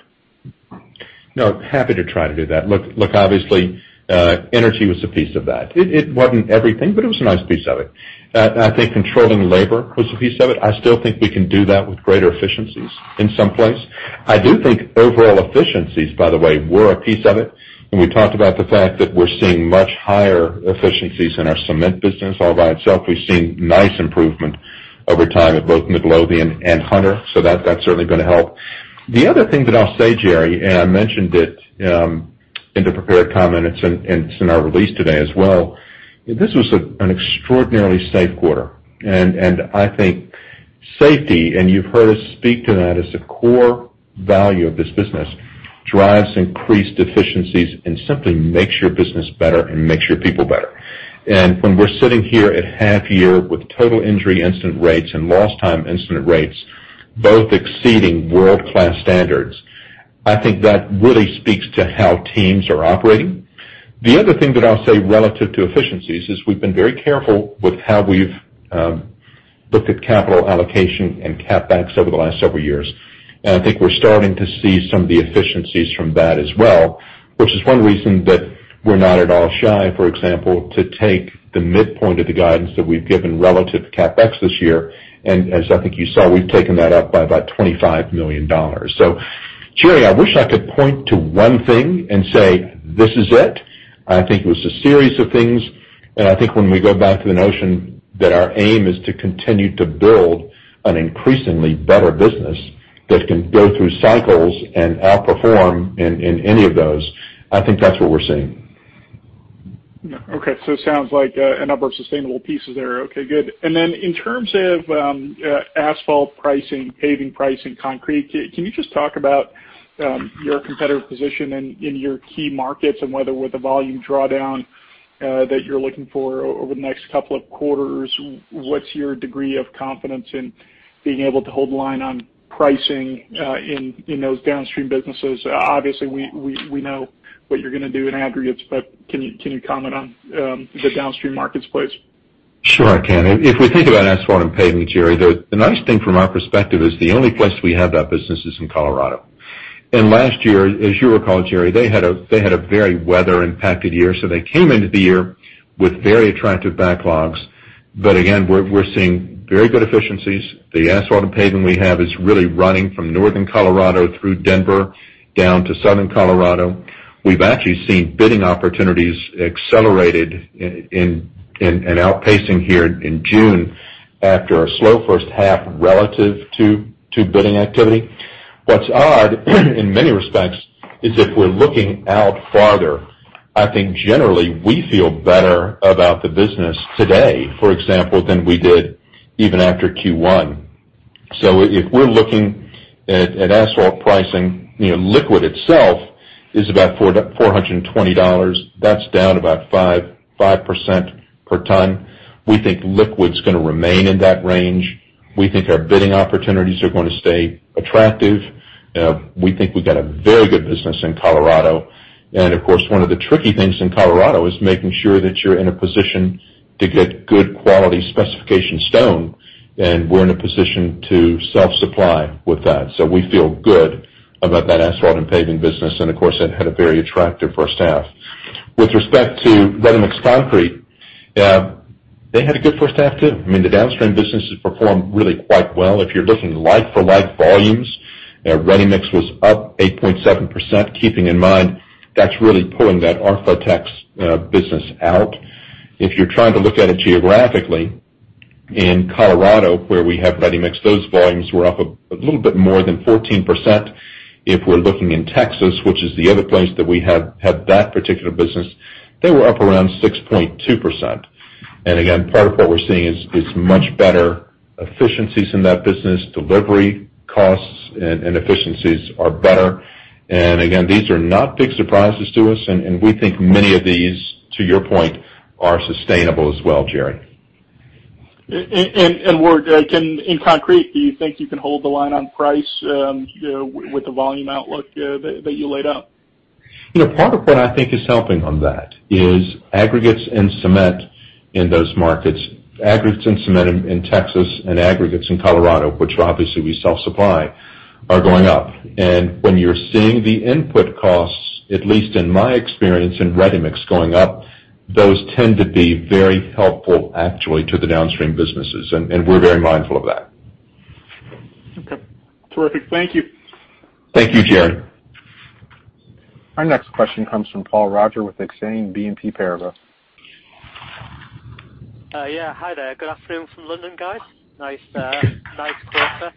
No, happy to try to do that. Look, obviously, energy was a piece of that. It wasn't everything, but it was a nice piece of it. I think controlling labor was a piece of it. I still think we can do that with greater efficiencies in someplace. I do think overall efficiencies, by the way, were a piece of it. When we talked about the fact that we're seeing much higher efficiencies in our Cement business all by itself, we've seen nice improvement over time at both Midlothian and Hunter. That's certainly going to help. The other thing that I'll say, Jerry, and I mentioned it in the prepared comments, and it's in our release today as well, this was an extraordinarily safe quarter. I think safety, and you've heard us speak to that as a core value of this business, drives increased efficiencies and simply makes your business better and makes your people better. When we're sitting here at half year with total injury incident rates and lost time incident rates, both exceeding world-class standards, I think that really speaks to how teams are operating. The other thing that I'll say relative to efficiencies is we've been very careful with how we've looked at capital allocation and CapEx over the last several years. I think we're starting to see some of the efficiencies from that as well, which is one reason that we're not at all shy, for example, to take the midpoint of the guidance that we've given relative to CapEx this year. As I think you saw, we've taken that up by about $25 million. Jerry, I wish I could point to one thing and say, "This is it." I think it was a series of things, and I think when we go back to the notion that our aim is to continue to build an increasingly better business that can go through cycles and outperform in any of those, I think that's what we're seeing. Yeah. Okay. It sounds like a number of sustainable pieces there. Okay, good. Then in terms of asphalt pricing, paving pricing, concrete, can you just talk about your competitive position in your key markets and whether with the volume drawdown that you're looking for over the next couple of quarters, what's your degree of confidence in being able to hold the line on pricing in those downstream businesses? Obviously, we know what you're going to do in aggregates, but can you comment on the downstream markets, please? Sure I can. If we think about asphalt and paving, Jerry, the nice thing from our perspective is the only place we have that business is in Colorado. Last year, as you recall, Jerry, they had a very weather-impacted year. They came into the year with very attractive backlogs. Again, we're seeing very good efficiencies. The asphalt and paving we have is really running from northern Colorado through Denver down to southern Colorado. We've actually seen bidding opportunities accelerated and outpacing here in June after a slow first half relative to bidding activity. What's odd, in many respects, is if we're looking out farther, I think generally we feel better about the business today, for example, than we did even after Q1. If we're looking at asphalt pricing, liquid itself is about $420. That's down about 5% per ton. We think liquid's going to remain in that range. We think our bidding opportunities are going to stay attractive. We think we've got a very good business in Colorado. Of course, one of the tricky things in Colorado is making sure that you're in a position to get good quality specification stone, and we're in a position to self-supply with that. We feel good about that asphalt and paving business. Of course, it had a very attractive first half. With respect to ready-mix concrete, they had a good first half, too. The downstream businesses performed really quite well. If you're looking life for life volumes, ready-mix was up 8.7%, keeping in mind that's really pulling that ArkLaTex business out. If you're trying to look at it geographically, in Colorado, where we have ready-mix, those volumes were up a little bit more than 14%. If we're looking in Texas, which is the other place that we have had that particular business, they were up around 6.2%. Again, part of what we're seeing is much better efficiencies in that business, delivery costs and efficiencies are better. Again, these are not big surprises to us, and we think many of these, to your point, are sustainable as well, Jerry. In concrete, do you think you can hold the line on price with the volume outlook that you laid out? Part of what I think is helping on that is aggregates and cement in those markets. Aggregates and cement in Texas and aggregates in Colorado, which obviously we self-supply, are going up. When you're seeing the input costs, at least in my experience in ready-mix going up, those tend to be very helpful actually to the downstream businesses. We're very mindful of that. Okay. Terrific. Thank you. Thank you, Jerry. Our next question comes from Paul Roger with Exane BNP Paribas. Yeah. Hi there. Good afternoon from London, guys. Nice quarter.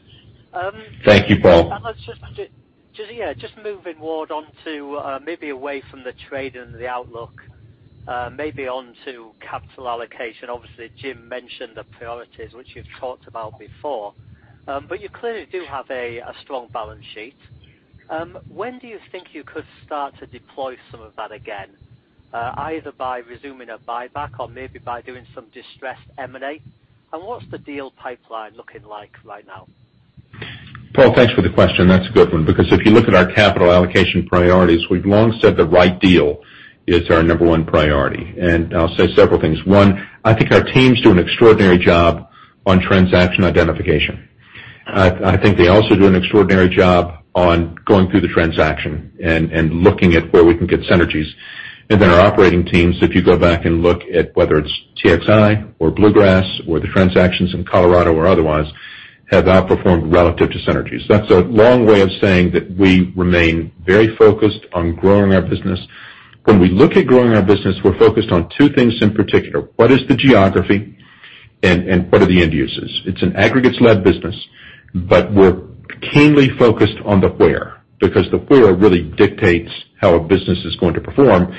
Thank you, Paul. Let's just Yeah, just moving Ward onto maybe away from the trade and the outlook, maybe onto capital allocation. Obviously, Jim mentioned the priorities, which you've talked about before. You clearly do have a strong balance sheet. When do you think you could start to deploy some of that again, either by resuming a buyback or maybe by doing some distressed M&A? What's the deal pipeline looking like right now? Paul, thanks for the question. That's a good one because if you look at our capital allocation priorities, we've long said the right deal is our number one priority. I'll say several things. One, I think our teams do an extraordinary job on transaction identification. I think they also do an extraordinary job on going through the transaction and looking at where we can get synergies. Then our operating teams, if you go back and look at whether it's TXI or Bluegrass or the transactions in Colorado or otherwise, have outperformed relative to synergies. That's a long way of saying that we remain very focused on growing our business. When we look at growing our business, we're focused on two things in particular. What is the geography? What are the end uses? It's an aggregates-led business. We're keenly focused on the where, because the where really dictates how a business is going to perform.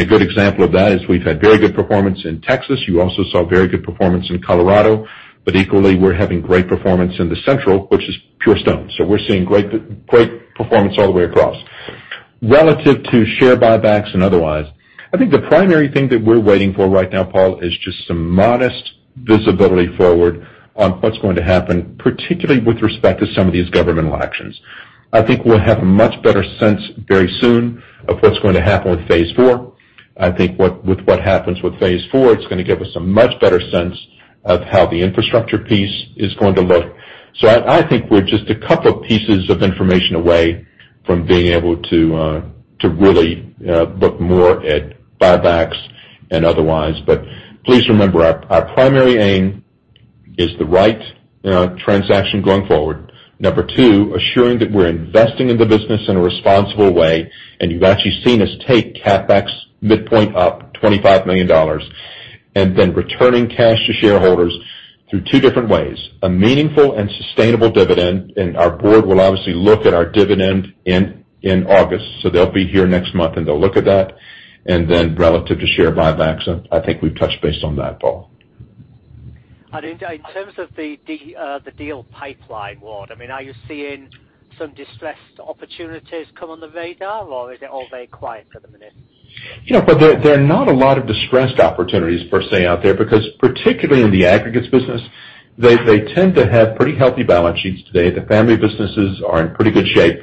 A good example of that is we've had very good performance in Texas. You also saw very good performance in Colorado. Equally, we're having great performance in the Central, which is pure stone. We're seeing great performance all the way across. Relative to share buybacks and otherwise, I think the primary thing that we're waiting for right now, Paul, is just some modest visibility forward on what's going to happen, particularly with respect to some of these governmental actions. I think we'll have a much better sense very soon of what's going to happen with Phase 4. I think with what happens with Phase 4, it's going to give us a much better sense of how the infrastructure piece is going to look. I think we're just a couple pieces of information away from being able to really look more at buybacks and otherwise. Please remember, our primary aim is the right transaction going forward. Number two, assuring that we're investing in the business in a responsible way. You've actually seen us take CapEx midpoint up $25 million and then returning cash to shareholders through two different ways, a meaningful and sustainable dividend. Our board will obviously look at our dividend in August. They'll be here next month, and they'll look at that. Relative to share buybacks, I think we've touched base on that, Paul. In terms of the deal pipeline, Ward, are you seeing some distressed opportunities come on the radar, or is it all very quiet for the minute? Yeah. There are not a lot of distressed opportunities per se out there, because particularly in the aggregates business, they tend to have pretty healthy balance sheets today. The family businesses are in pretty good shape.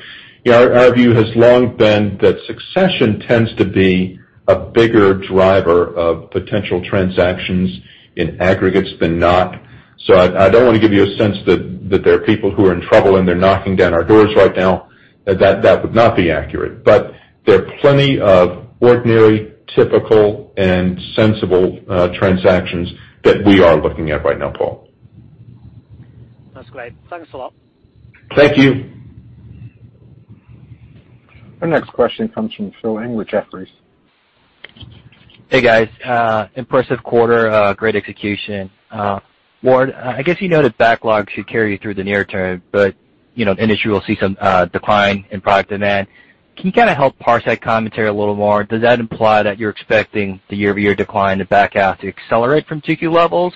Our view has long been that succession tends to be a bigger driver of potential transactions in aggregates than not. I don't want to give you a sense that there are people who are in trouble, and they're knocking down our doors right now. That would not be accurate. There are plenty of ordinary, typical, and sensible transactions that we are looking at right now, Paul. That's great. Thanks a lot. Thank you. Our next question comes from Phil Ng with Jefferies. Hey, guys. Impressive quarter. Great execution. Ward, I guess you know that backlog should carry you through the near term, but the industry will see some decline in product demand. Can you kind of help parse that commentary a little more? Does that imply that you're expecting the year-over-year decline in the back half to accelerate from 2Q levels?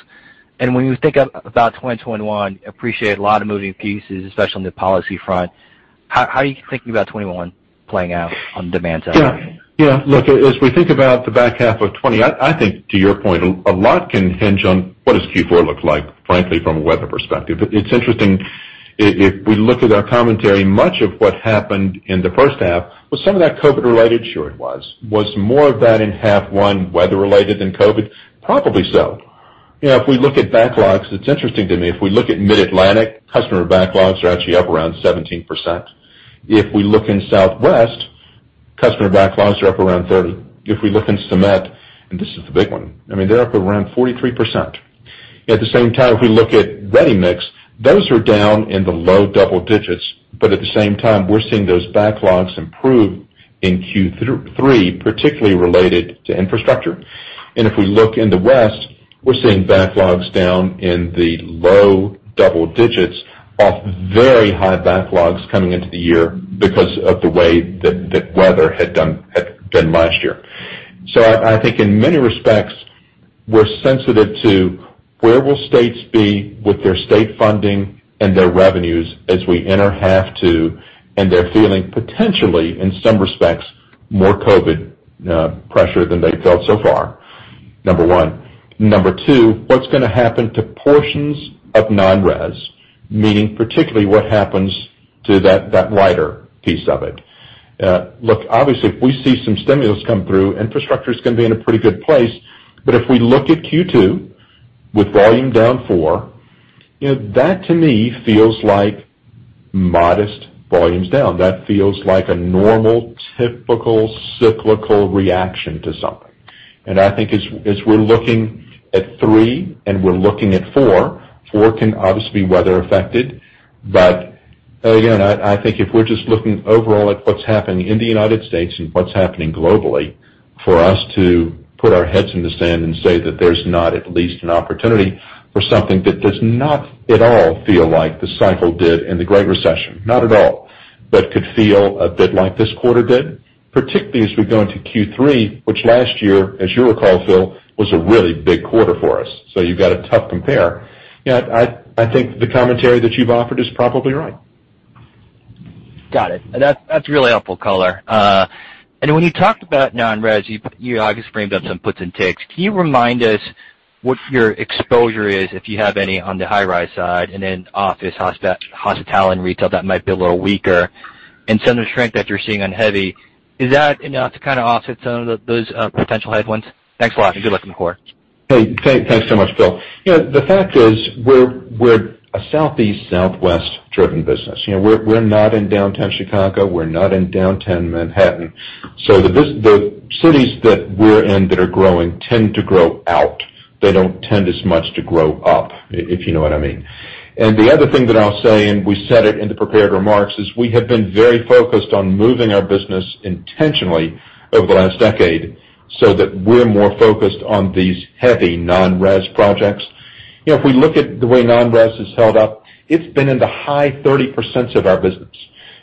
When you think about 2021, appreciate a lot of moving pieces, especially on the policy front. How are you thinking about 2021 playing out on demand side? Yeah. Look, as we think about the back half of 2020, I think to your point, a lot can hinge on what does Q4 look like, frankly, from a weather perspective. It's interesting, if we look at our commentary, much of what happened in the first half, was some of that COVID related? Sure it was. Was more of that in half one weather related than COVID? Probably so. If we look at backlogs, it's interesting to me. If we look at Mid-Atlantic, customer backlogs are actually up around 17%. If we look in Southwest, customer backlogs are up around 30%. At the same time, if we look in Cement, and this is the big one, they're up around 43%. At the same time, if we look at Ready-Mix, those are down in the low double digits. At the same time, we're seeing those backlogs improve in Q3, particularly related to infrastructure. If we look in the West, we're seeing backlogs down in the low double digits off very high backlogs coming into the year because of the way that weather had been last year. I think in many respects, we're sensitive to where will states be with their state funding and their revenues as we enter half two, and they're feeling potentially, in some respects, more COVID pressure than they felt so far. Number one. Number two, what's going to happen to portions of non-res, meaning particularly what happens to that lighter piece of it? Look, obviously, if we see some stimulus come through, infrastructure's going to be in a pretty good place. If we look at Q2 with volume down four, that to me feels like modest volumes down. That feels like a normal, typical cyclical reaction to something. I think as we're looking at three and we're looking at four can obviously be weather affected. Again, I think if we're just looking overall at what's happening in the U.S. and what's happening globally, for us to put our heads in the sand and say that there's not at least an opportunity for something that does not at all feel like the cycle did in the Great Recession, not at all, but could feel a bit like this quarter did, particularly as we go into Q3, which last year, as you'll recall, Phil, was a really big quarter for us. You've got a tough compare. I think the commentary that you've offered is probably right. Got it. That's really helpful color. When you talked about non-res, you obviously framed up some puts and takes. Can you remind us what your exposure is, if you have any, on the high-rise side, and then office, hospital, and retail that might be a little weaker? Some of the strength that you're seeing on heavy, is that enough to kind of offset some of those potential headwinds? Thanks a lot, and good luck in the quarter. Hey, thanks so much, Phil. The fact is, we're a southeast, southwest driven business. We're not in downtown Chicago. We're not in downtown Manhattan. The cities that we're in that are growing tend to grow out. They don't tend as much to grow up, if you know what I mean. The other thing that I'll say, and we said it in the prepared remarks, is we have been very focused on moving our business intentionally over the last decade so that we're more focused on these heavy non-res projects. If we look at the way non-res has held up, it's been in the high 30% of our business.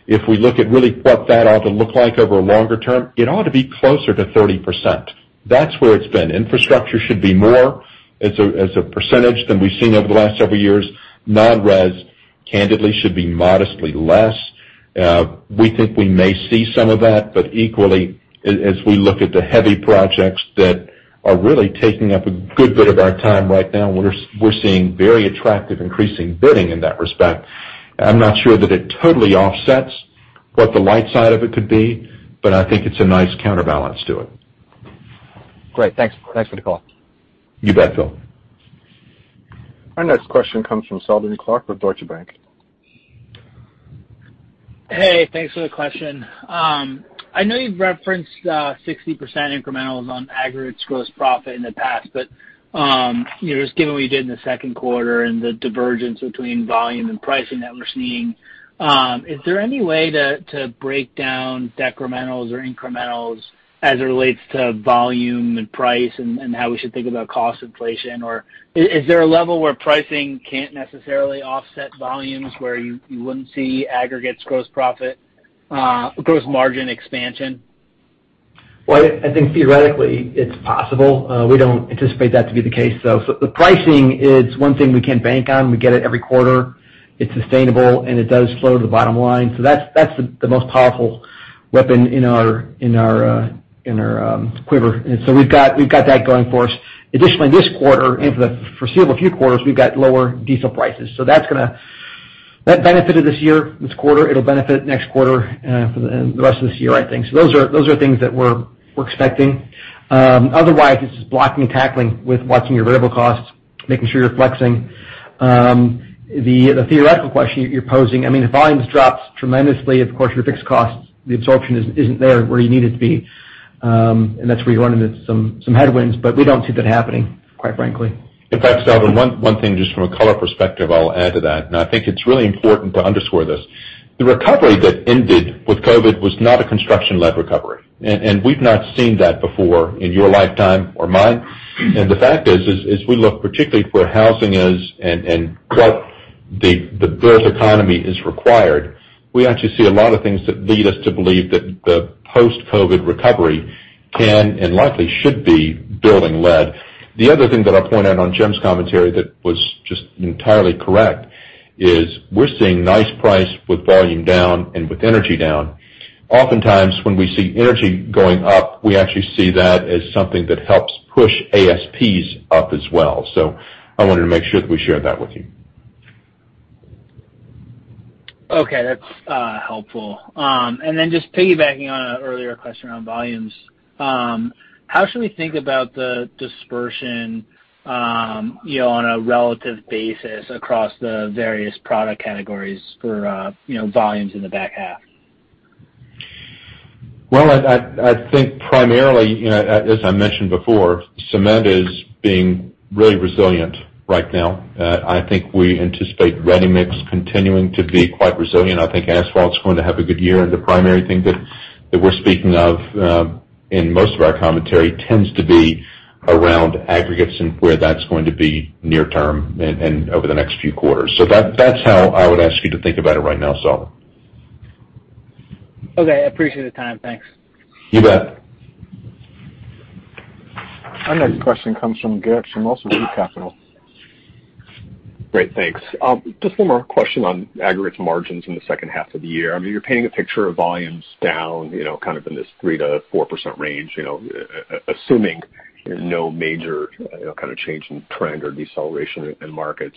If we look at really what that ought to look like over a longer term, it ought to be closer to 30%. That's where it's been. Infrastructure should be more as a percentage than we've seen over the last several years. Non-res, candidly, should be modestly less. We think we may see some of that, but equally, as we look at the heavy projects that are really taking up a good bit of our time right now, we're seeing very attractive increasing bidding in that respect. I'm not sure that it totally offsets what the light side of it could be, but I think it's a nice counterbalance to it. Great. Thanks for the call. You bet, Phil. Our next question comes from Seldon Clarke with Deutsche Bank. Hey, thanks for the question. I know you've referenced 60% incrementals on aggregates gross profit in the past, but just given what you did in the second quarter and the divergence between volume and pricing that we're seeing, is there any way to break down decrementals or incrementals as it relates to volume and price and how we should think about cost inflation? Is there a level where pricing can't necessarily offset volumes where you wouldn't see aggregates gross profit, gross margin expansion? Well, I think theoretically, it's possible. We don't anticipate that to be the case, though. The pricing is one thing we can bank on. We get it every quarter. It's sustainable, and it does flow to the bottom line. That's the most powerful weapon in our quiver. We've got that going for us. Additionally, this quarter into the foreseeable few quarters, we've got lower diesel prices. That benefited this year, this quarter. It'll benefit next quarter, and for the rest of this year, I think. Those are things that we're expecting. Otherwise, it's just blocking and tackling with watching your variable costs, making sure you're flexing. The theoretical question you're posing, if volumes drops tremendously, of course, your fixed costs, the absorption isn't there where you need it to be. That's where you run into some headwinds, but we don't see that happening, quite frankly. In fact, Seldon, one thing just from a color perspective, I'll add to that, and I think it's really important to underscore this. The recovery that ended with COVID was not a construction-led recovery, and we've not seen that before in your lifetime or mine. The fact is, as we look particularly for housing is and what the growth economy has required, we actually see a lot of things that lead us to believe that the post-COVID recovery can and likely should be building led. The other thing that I'll point out on Jim's commentary that was just entirely correct is we're seeing nice price with volume down and with energy down. Oftentimes, when we see energy going up, we actually see that as something that helps push ASPs up as well. I wanted to make sure that we shared that with you. Okay. That's helpful. Just piggybacking on an earlier question on volumes, how should we think about the dispersion on a relative basis across the various product categories for volumes in the back half? I think primarily, as I mentioned before, cement is being really resilient right now. I think we anticipate ready-mix continuing to be quite resilient. I think asphalt's going to have a good year, and the primary thing that we're speaking of in most of our commentary tends to be around aggregates and where that's going to be near term and over the next few quarters. That's how I would ask you to think about it right now, Seldon. Okay. I appreciate the time. Thanks. You bet. Our next question comes from Garik Shmois with Loop Capital. Great. Thanks. Just one more question on aggregates margins in the second half of the year. You're painting a picture of volumes down, kind of in this 3%-4% range. Assuming no major kind of change in trend or deceleration in markets,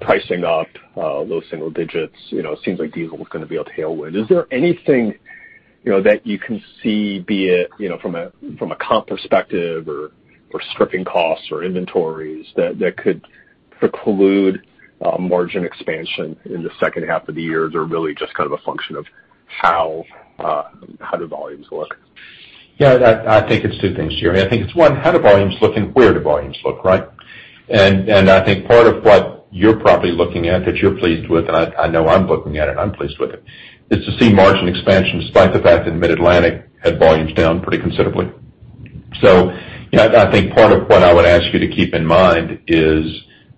pricing up low single digits, it seems like diesel is going to be a tailwind. Is there anything that you can see, be it from a comp perspective or stripping costs or inventories, that could preclude a margin expansion in the second half of the year? Is there really just kind of a function of how the volumes look? Yeah, I think it's two things, Garik. I think it's, one, how the volume's looking, where the volumes look, right? I think part of what you're probably looking at that you're pleased with, and I know I'm looking at it, and I'm pleased with it, is to see margin expansion despite the fact that Mid-Atlantic had volumes down pretty considerably. I think part of what I would ask you to keep in mind is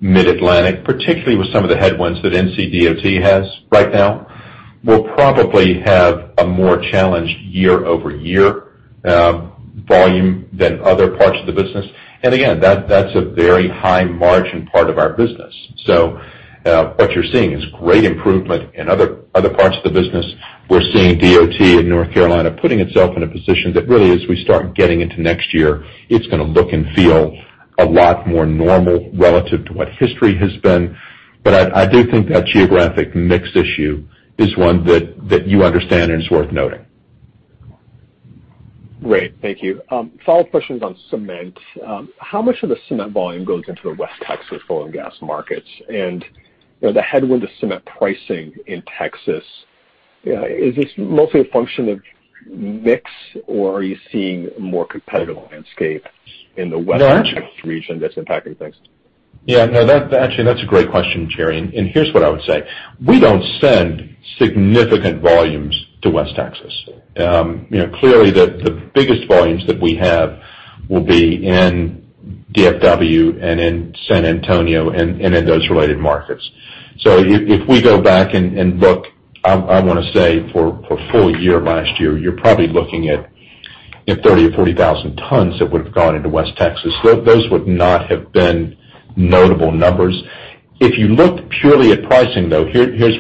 Mid-Atlantic, particularly with some of the headwinds that NC DOT has right now, will probably have a more challenged year-over-year volume than other parts of the business. Again, that's a very high margin part of our business. What you're seeing is great improvement in other parts of the business. We're seeing DOT in North Carolina putting itself in a position that really, as we start getting into next year, it's going to look and feel a lot more normal relative to what history has been. I do think that geographic mix issue is one that you understand and is worth noting. Great. Thank you. Follow-up questions on cement. How much of the cement volume goes into the West Texas oil and gas markets? The headwind of cement pricing in Texas. Yeah. Is this mostly a function of mix, or are you seeing a more competitive landscape in the West Texas region that's impacting things? Yeah. No, actually, that's a great question, Garik. Here's what I would say. We don't send significant volumes to West Texas. Clearly, the biggest volumes that we have will be in DFW and in San Antonio and in those related markets. If we go back and look, I want to say for full year last year, you're probably looking at 30,000 or 40,000 tons that would have gone into West Texas. Those would not have been notable numbers. If you looked purely at pricing, though, here's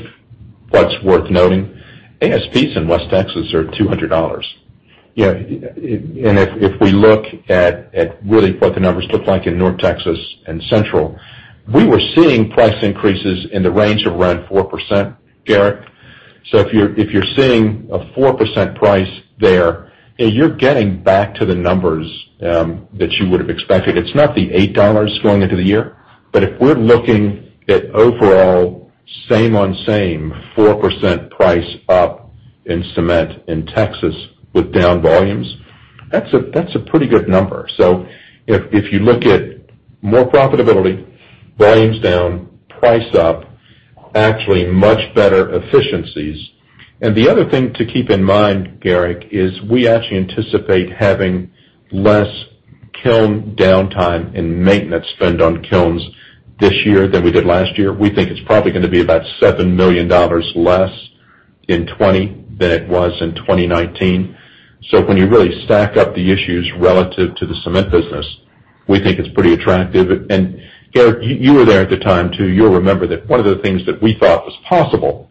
what's worth noting. ASPs in West Texas are $200. If we look at really what the numbers look like in North Texas and Central, we were seeing price increases in the range of around 4%, Garik. If you're seeing a 4% price there, you're getting back to the numbers that you would have expected. It's not the $8 going into the year. If we're looking at overall same on same 4% price up in cement in Texas with down volumes, that's a pretty good number. If you look at more profitability, volumes down, price up, actually much better efficiencies. The other thing to keep in mind, Garik, is we actually anticipate having less kiln downtime and maintenance spend on kilns this year than we did last year. We think it's probably going to be about $7 million less in 2020 than it was in 2019. When you really stack up the issues relative to the cement business, we think it's pretty attractive. Garik, you were there at the time, too. You'll remember that one of the things that we thought was possible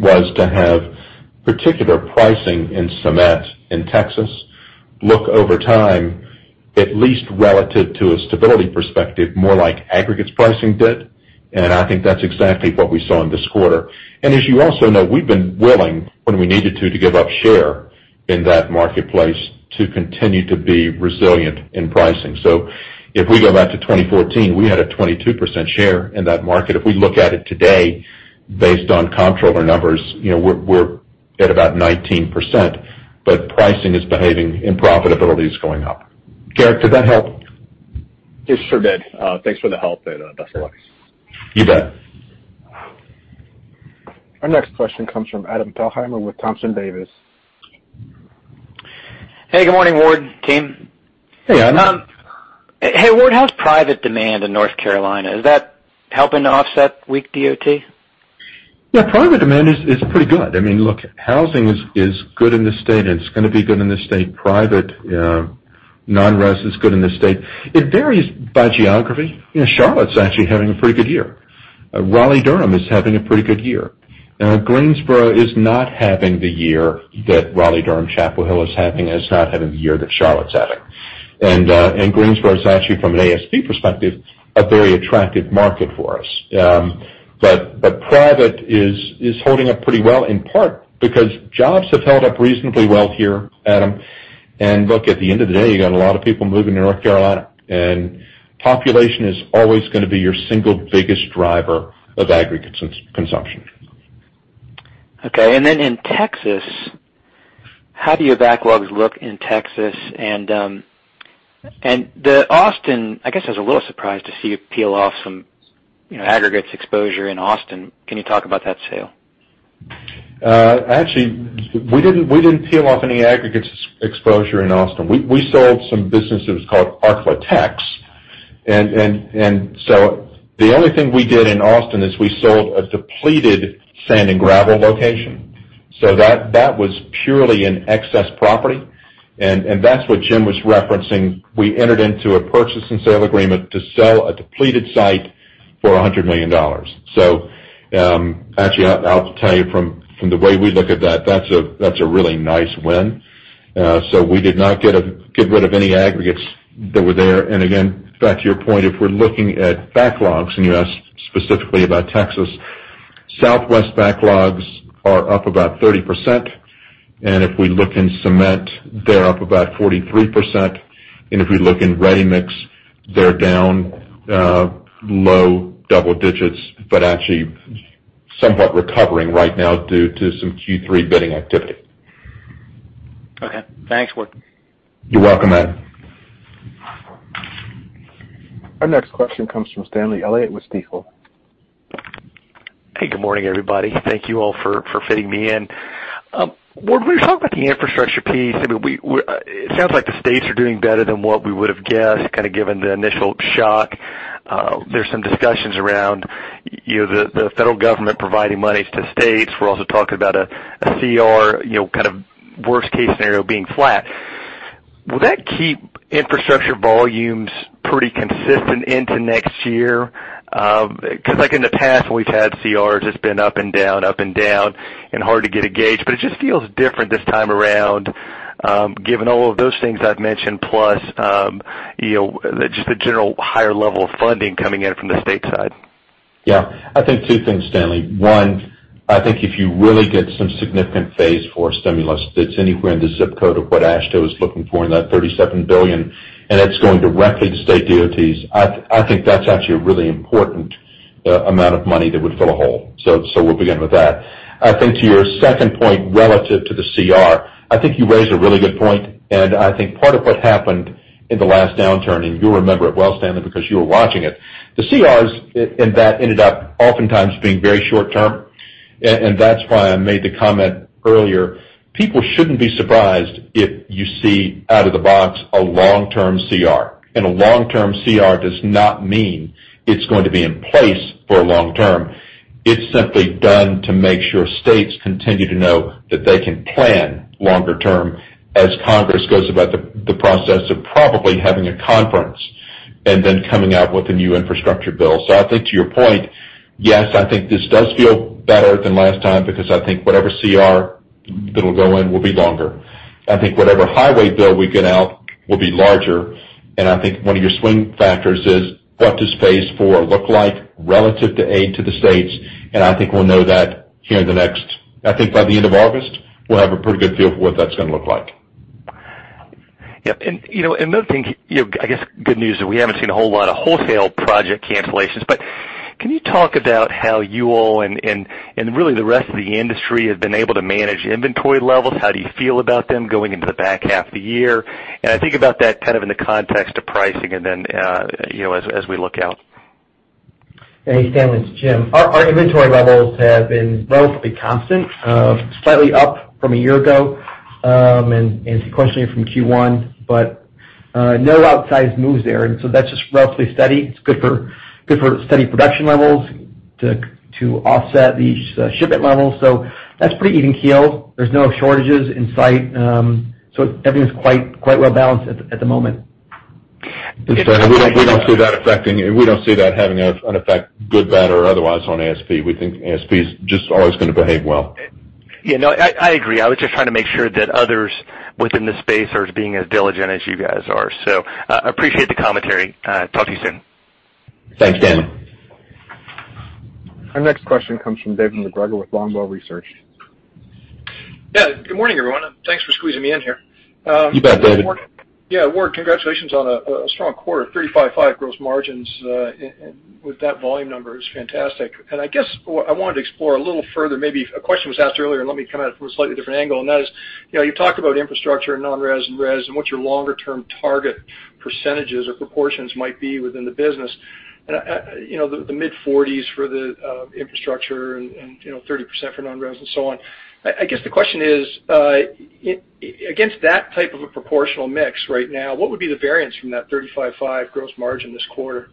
was to have particular pricing in cement in Texas look over time, at least relative to a stability perspective, more like aggregates pricing did. I think that's exactly what we saw in this quarter. As you also know, we've been willing, when we needed to give up share in that marketplace to continue to be resilient in pricing. If we go back to 2014, we had a 22% share in that market. If we look at it today based on comptroller numbers, we're at about 19%, but pricing is behaving and profitability is going up. Garik, did that help? It sure did. Thanks for the help and best of luck. You bet. Our next question comes from Adam Thalhimer with Thompson Davis. Hey, good morning, Ward, team. Hey, Adam. Hey, Ward, how's private demand in North Carolina? Is that helping to offset weak DOT? Yeah, private demand is pretty good. Look, housing is good in the state, and it's going to be good in the state. Private non-res is good in the state. It varies by geography. Charlotte's actually having a pretty good year. Raleigh-Durham is having a pretty good year. Greensboro is not having the year that Raleigh-Durham-Chapel Hill is having, and it's not having the year that Charlotte's having. Greensboro is actually, from an ASP perspective, a very attractive market for us. Private is holding up pretty well, in part because jobs have held up reasonably well here, Adam. Look, at the end of the day, you got a lot of people moving to North Carolina, and population is always going to be your single biggest driver of aggregate consumption. Okay. In Texas, how do your backlogs look in Texas? I guess I was a little surprised to see you peel off some aggregates exposure in Austin. Can you talk about that sale? Actually, we didn't peel off any aggregates exposure in Austin. We sold some businesses called ArkLaTex. The only thing we did in Austin is we sold a depleted sand and gravel location. That was purely an excess property, and that's what Jim was referencing. We entered into a purchase and sale agreement to sell a depleted site for $100 million. Actually, I'll tell you from the way we look at that's a really nice win. We did not get rid of any aggregates that were there. Again, back to your point, if we're looking at backlogs, and you asked specifically about Texas, Southwest backlogs are up about 30%. If we look in cement, they're up about 43%. If we look in ready-mix, they're down low double digits, but actually somewhat recovering right now due to some Q3 bidding activity. Okay. Thanks, Ward. You're welcome, Adam. Our next question comes from Stanley Elliott with Stifel. Hey, good morning, everybody. Thank you all for fitting me in. Ward, when you talk about the infrastructure piece, it sounds like the states are doing better than what we would have guessed, kind of given the initial shock. There's some discussions around the federal government providing monies to states. We're also talking about a CR, kind of worst case scenario being flat. Will that keep infrastructure volumes pretty consistent into next year? In the past, when we've had CRs, it's been up and down, up and down and hard to get a gauge. It just feels different this time around, given all of those things I've mentioned, plus just the general higher level of funding coming in from the state side. Yeah. I think two things, Stanley. One, I think if you really get some significant Phase 4 stimulus that's anywhere in the ZIP code of what AASHTO is looking for in that $37 billion, and it's going directly to state DOTs, I think that's actually a really important amount of money that would fill a hole. We'll begin with that. I think to your second point, relative to the CR, I think you raise a really good point, and I think part of what happened in the last downturn, and you'll remember it well, Stanley, because you were watching it. The CRs in that ended up oftentimes being very short-term. That's why I made the comment earlier. People shouldn't be surprised if you see out of the box a long-term CR. A long-term CR does not mean it's going to be in place for a long term. It's simply done to make sure states continue to know that they can plan longer term as Congress goes about the process of probably having a conference and then coming out with a new infrastructure bill. I think to your point, yes, I think this does feel better than last time because I think whatever CR that'll go in will be longer. I think whatever highway bill we get out will be larger. I think one of your swing factors is what does Phase 4 look like relative to aid to the states? I think we'll know that here in the next, I think by the end of August, we'll have a pretty good feel for what that's going to look like. Yep. Another thing, I guess, good news is we haven't seen a whole lot of wholesale project cancellations. Can you talk about how you all and really the rest of the industry have been able to manage inventory levels? How do you feel about them going into the back half of the year? I think about that kind of in the context of pricing and then as we look out. Hey, Stanley, it's Jim. Our inventory levels have been relatively constant. Slightly up from a year ago, and sequentially from Q1, but no outsized moves there. That's just relatively steady. It's good for steady production levels to offset the shipment levels. That's pretty even keel. There's no shortages in sight. Everything's quite well balanced at the moment. Stanley, we don't see that having an effect, good, bad or otherwise, on ASP. We think ASP is just always going to behave well. Yeah. No, I agree. I was just trying to make sure that others within the space are being as diligent as you guys are. I appreciate the commentary. Talk to you soon. Thanks, Stanley. Our next question comes from David MacGregor with Longbow Research. Yeah, good morning, everyone. Thanks for squeezing me in here. You bet, David. Yeah. Ward, congratulations on a strong quarter, 35.5% gross margins with that volume number is fantastic. I guess what I wanted to explore a little further, maybe a question was asked earlier, and let me come at it from a slightly different angle, and that is, you talked about infrastructure and non-res and res, and what your longer term target percentages or proportions might be within the business. The mid-40s for the infrastructure and 30% for non-res, and so on. I guess the question is, against that type of a proportional mix right now, what would be the variance from that 35.5% gross margin this quarter?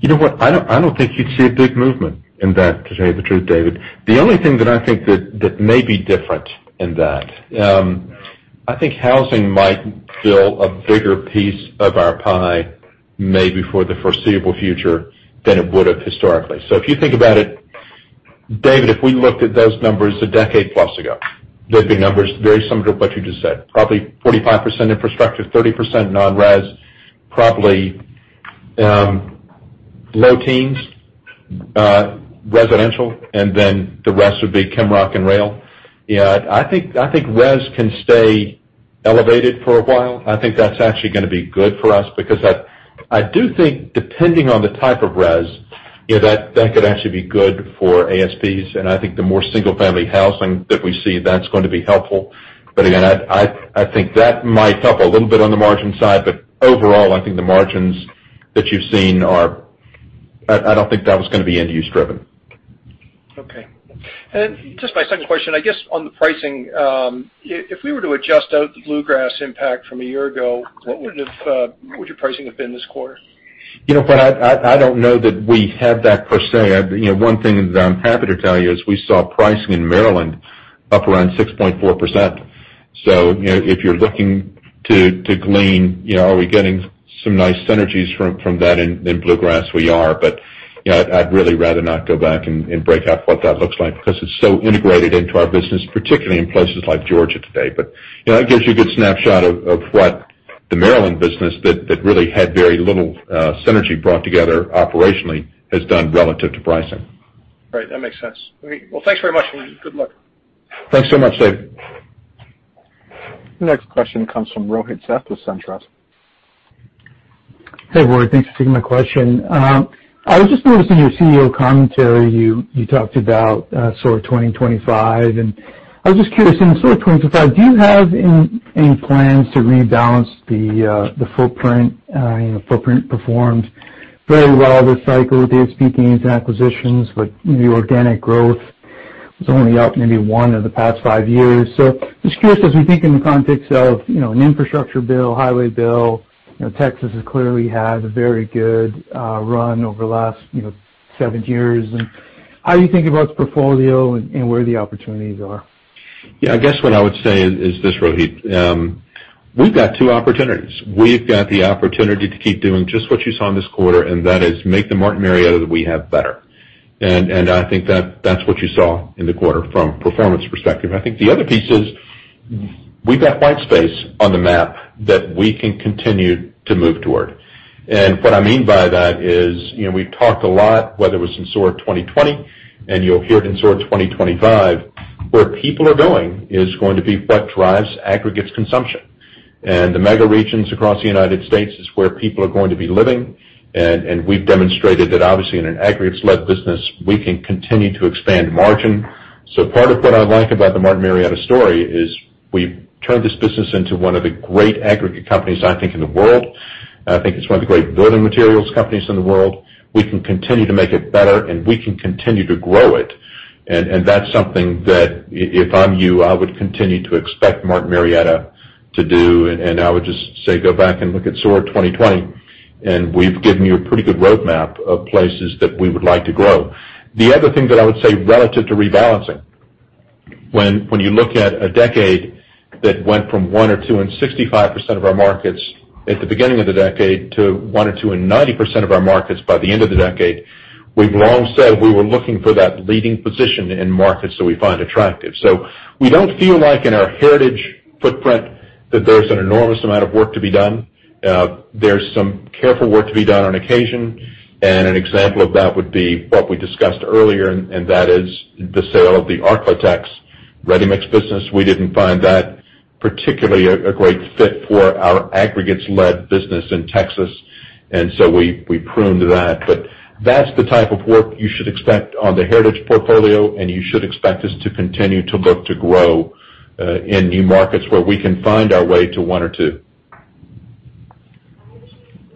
You know what? I don't think you'd see a big movement in that, to tell you the truth, David. The only thing that I think that may be different in that, I think housing might fill a bigger piece of our pie maybe for the foreseeable future than it would've historically. If you think about it, David, if we looked at those numbers a decade plus ago, they'd be numbers very similar to what you just said. Probably 45% infrastructure, 30% non-res, probably low teens residential, and then the rest would be ChemRock and Rail. Yeah, I think res can stay elevated for a while. I think that's actually gonna be good for us because I do think depending on the type of res, that could actually be good for ASPs, and I think the more single-family housing that we see, that's going to be helpful. Again, I think that might help a little bit on the margin side, but overall, I think the margins that you've seen are I don't think that one's going to be end-use driven. Okay. Just my second question, I guess, on the pricing, if we were to adjust out the Bluegrass impact from a year ago, what would your pricing have been this quarter? You know what? I don't know that we have that per se. One thing that I'm happy to tell you is we saw pricing in Maryland up around 6.4%. If you're looking to glean, are we getting some nice synergies from that in Bluegrass? We are. I'd really rather not go back and break out what that looks like because it's so integrated into our business, particularly in places like Georgia today. That gives you a good snapshot of what the Maryland business that really had very little synergy brought together operationally has done relative to pricing. Right. That makes sense. Great. Well, thanks very much, and good luck. Thanks so much, David. Next question comes from Rohit Seth with SunTrust. Hey, Ward. Thanks for taking my question. I was just noticing your CEO commentary, you talked about SOAR 2025. I was just curious, in SOAR 2025, do you have any plans to rebalance the footprint? The footprint performed very well this cycle with the SP teams and acquisitions. The organic growth was only up maybe one in the past five years. Just curious, as we think in the context of an infrastructure bill, highway bill, Texas has clearly had a very good run over the last seven years. How do you think about the portfolio and where the opportunities are? Yeah, I guess what I would say is this, Rohit. We've got two opportunities. We've got the opportunity to keep doing just what you saw in this quarter, and that is make the Martin Marietta that we have better. I think that's what you saw in the quarter from a performance perspective. I think the other piece is we've got white space on the map that we can continue to move toward. What I mean by that is, we've talked a lot, whether it was in SOAR 2020, and you'll hear it in SOAR of 2025, where people are going is going to be what drives aggregates consumption. The mega regions across the United States is where people are going to be living. We've demonstrated that obviously in an aggregates-led business, we can continue to expand margin. Part of what I like about the Martin Marietta story is we've turned this business into one of the great aggregate companies, I think, in the world. I think it's one of the great building materials companies in the world. We can continue to make it better, and we can continue to grow it. That's something that if I'm you, I would continue to expect Martin Marietta to do, and I would just say, go back and look at SOAR 2020, and we've given you a pretty good roadmap of places that we would like to grow. The other thing that I would say relative to rebalancing, when you look at a decade that went from one or two and 65% of our markets at the beginning of the decade to one or two and 90% of our markets by the end of the decade, we've long said we were looking for that leading position in markets that we find attractive. We don't feel like in our heritage footprint that there's an enormous amount of work to be done. There's some careful work to be done on occasion, and an example of that would be what we discussed earlier, and that is the sale of the ArkLaTex ready-mix business. We didn't find that particularly a great fit for our aggregates-led business in Texas, and so we pruned that. That's the type of work you should expect on the heritage portfolio, and you should expect us to continue to look to grow in new markets where we can find our way to one or two.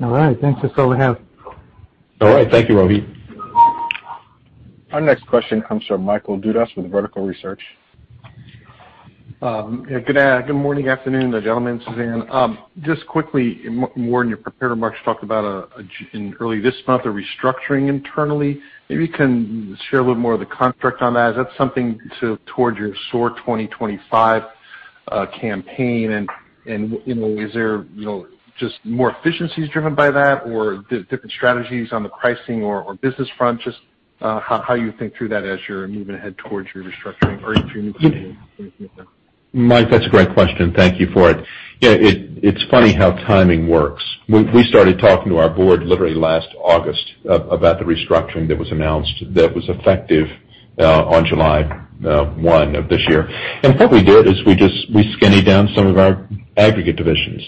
All right. I think that's all we have. All right. Thank you, Rohit. Our next question comes from Michael Dudas with Vertical Research. Good morning, afternoon, ladies and gentlemen, Suzanne. Just quickly, Ward, your prepared remarks talked about in early this month, a restructuring internally. Maybe you can share a little more of the construct on that. Is that something toward your SOAR 2025 campaign, is there just more efficiencies driven by that or different strategies on the pricing or business front? Just how you think through that as you're moving ahead towards your restructuring or your new campaign. Mike, that's a great question. Thank you for it. Yeah, it's funny how timing works. We started talking to our board literally last August about the restructuring that was announced that was effective on July 1 of this year. What we did is we just skinny down some of our aggregate divisions.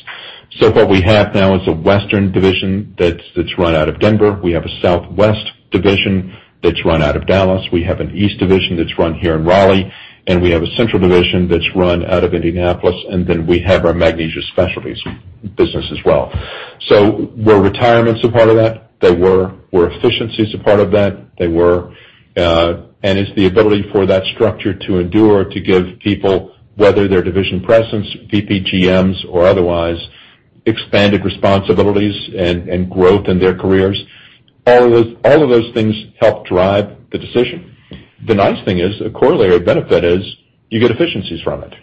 What we have now is a Western Division that's run out of Denver. We have a Southwest Division that's run out of Dallas. We have an East Division that's run here in Raleigh, and we have a Central Division that's run out of Indianapolis, and then we have our Magnesia Specialties business as well. Were retirements a part of that? They were. Were efficiencies a part of that? They were. It's the ability for that structure to endure to give people, whether they're division presidents, VPGMs or otherwise, expanded responsibilities and growth in their careers. All of those things help drive the decision. The nice thing is, a corollary or benefit is you get efficiencies from it.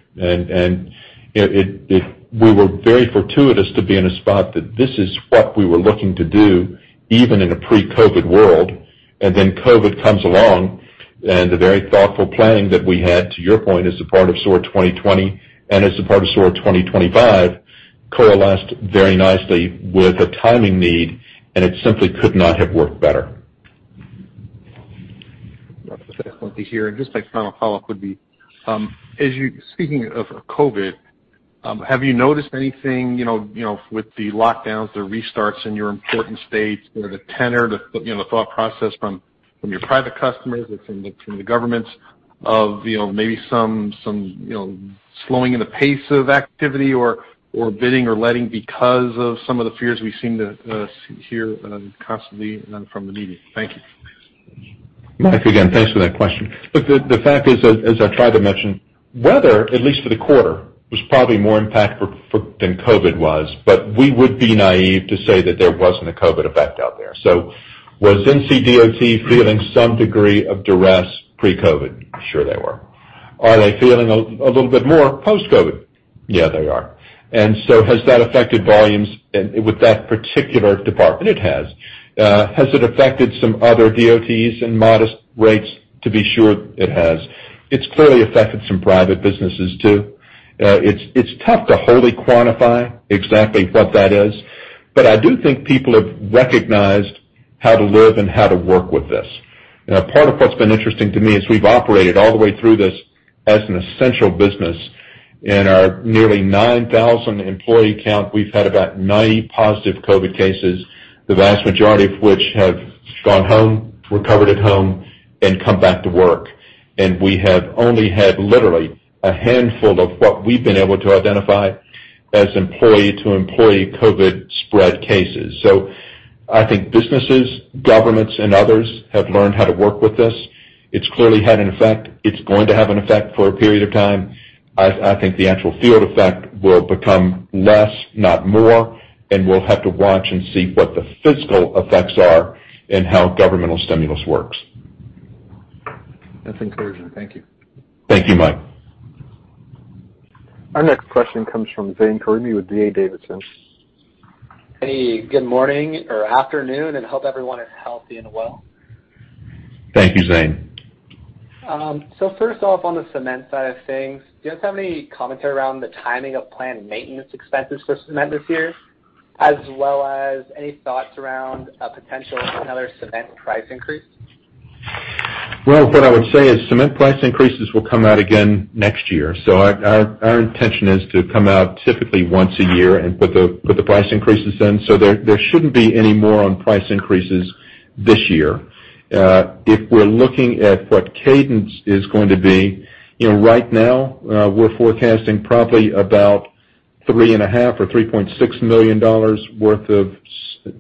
We were very fortuitous to be in a spot that this is what we were looking to do, even in a pre-COVID world. Then COVID comes along, and the very thoughtful planning that we had, to your point, as a part of SOAR 2020 and as a part of SOAR 2025, coalesced very nicely with a timing need, and it simply could not have worked better. That's definitely here. Just a final follow-up would be, speaking of COVID, have you noticed anything with the lockdowns, the restarts in your important states or the tenor, the thought process from your private customers or from the governments of maybe some slowing in the pace of activity or bidding or letting because of some of the fears we seem to hear constantly from the media? Thank you. Mike, again, thanks for that question. Look, the fact is, as I tried to mention, weather, at least for the quarter, was probably more impactful than COVID was. We would be naive to say that there wasn't a COVID effect out there. Was NC DOT feeling some degree of duress pre-COVID? Sure they were. Are they feeling a little bit more post-COVID? Yeah, they are. Has that affected volumes with that particular department? It has. Has it affected some other DOTs in modest rates? To be sure, it has. It's clearly affected some private businesses, too. It's tough to wholly quantify exactly what that is. I do think people have recognized how to live and how to work with this. Part of what's been interesting to me is we've operated all the way through this as an essential business. In our nearly 9,000 employee count, we've had about 90 positive COVID cases, the vast majority of which have gone home, recovered at home, and come back to work. We have only had literally a handful of what we've been able to identify as employee-to-employee COVID spread cases. I think businesses, governments, and others have learned how to work with this. It's clearly had an effect. It's going to have an effect for a period of time. I think the actual field effect will become less, not more, and we'll have to watch and see what the physical effects are and how governmental stimulus works. That's helpful. Thank you. Thank you, Mike. Our next question comes from Zane Karimi with D.A. Davidson. Hey, good morning or afternoon, hope everyone is healthy and well. Thank you, Zane. First off, on the cement side of things, do you guys have any commentary around the timing of planned maintenance expenses for cement this year, as well as any thoughts around a potential another cement price increase? Well, what I would say is cement price increases will come out again next year. Our intention is to come out typically once a year and put the price increases in. There shouldn't be any more on price increases this year. If we're looking at what cadence is going to be, right now, we're forecasting probably about $3.5 or $3.6 million worth of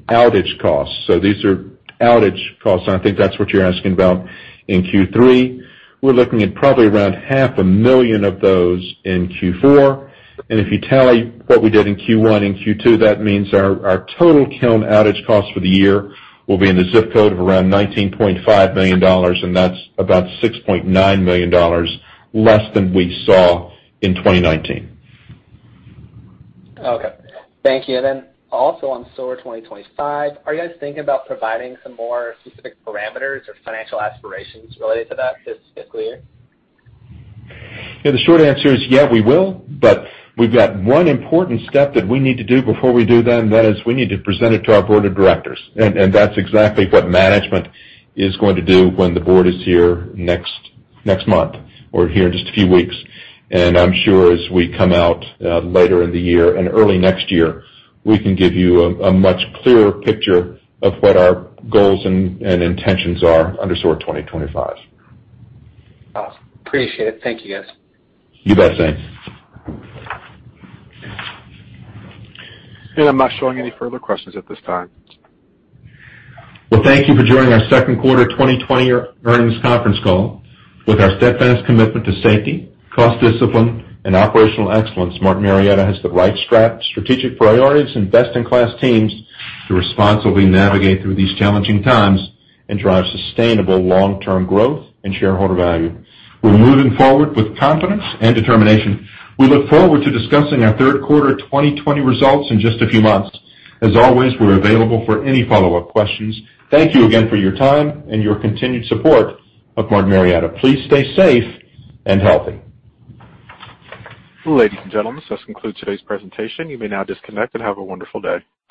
outage costs. These are outage costs, and I think that's what you're asking about in Q3. We're looking at probably around half a million of those in Q4. If you tally what we did in Q1 and Q2, that means our total kiln outage cost for the year will be in the zip code of around $19.5 million, and that's about $6.9 million less than we saw in 2019. Okay. Thank you. Also on SOAR 2025, are you guys thinking about providing some more specific parameters or financial aspirations related to that this fiscal year? Yeah, the short answer is, yeah, we will, but we've got one important step that we need to do before we do then, that is we need to present it to our board of directors. That's exactly what management is going to do when the board is here next month or here in just a few weeks. I'm sure as we come out later in the year and early next year, we can give you a much clearer picture of what our goals and intentions are under SOAR 2025. Awesome. Appreciate it. Thank you, guys. You bet, Zane. I'm not showing any further questions at this time. Well, thank you for joining our second quarter 2020 earnings conference call. With our steadfast commitment to safety, cost discipline, and operational excellence, Martin Marietta has the right strategic priorities and best-in-class teams to responsibly navigate through these challenging times and drive sustainable long-term growth and shareholder value. We're moving forward with confidence and determination. We look forward to discussing our third quarter 2020 results in just a few months. As always, we're available for any follow-up questions. Thank you again for your time and your continued support of Martin Marietta. Please stay safe and healthy. Ladies and gentlemen, this concludes today's presentation. You may now disconnect, and have a wonderful day.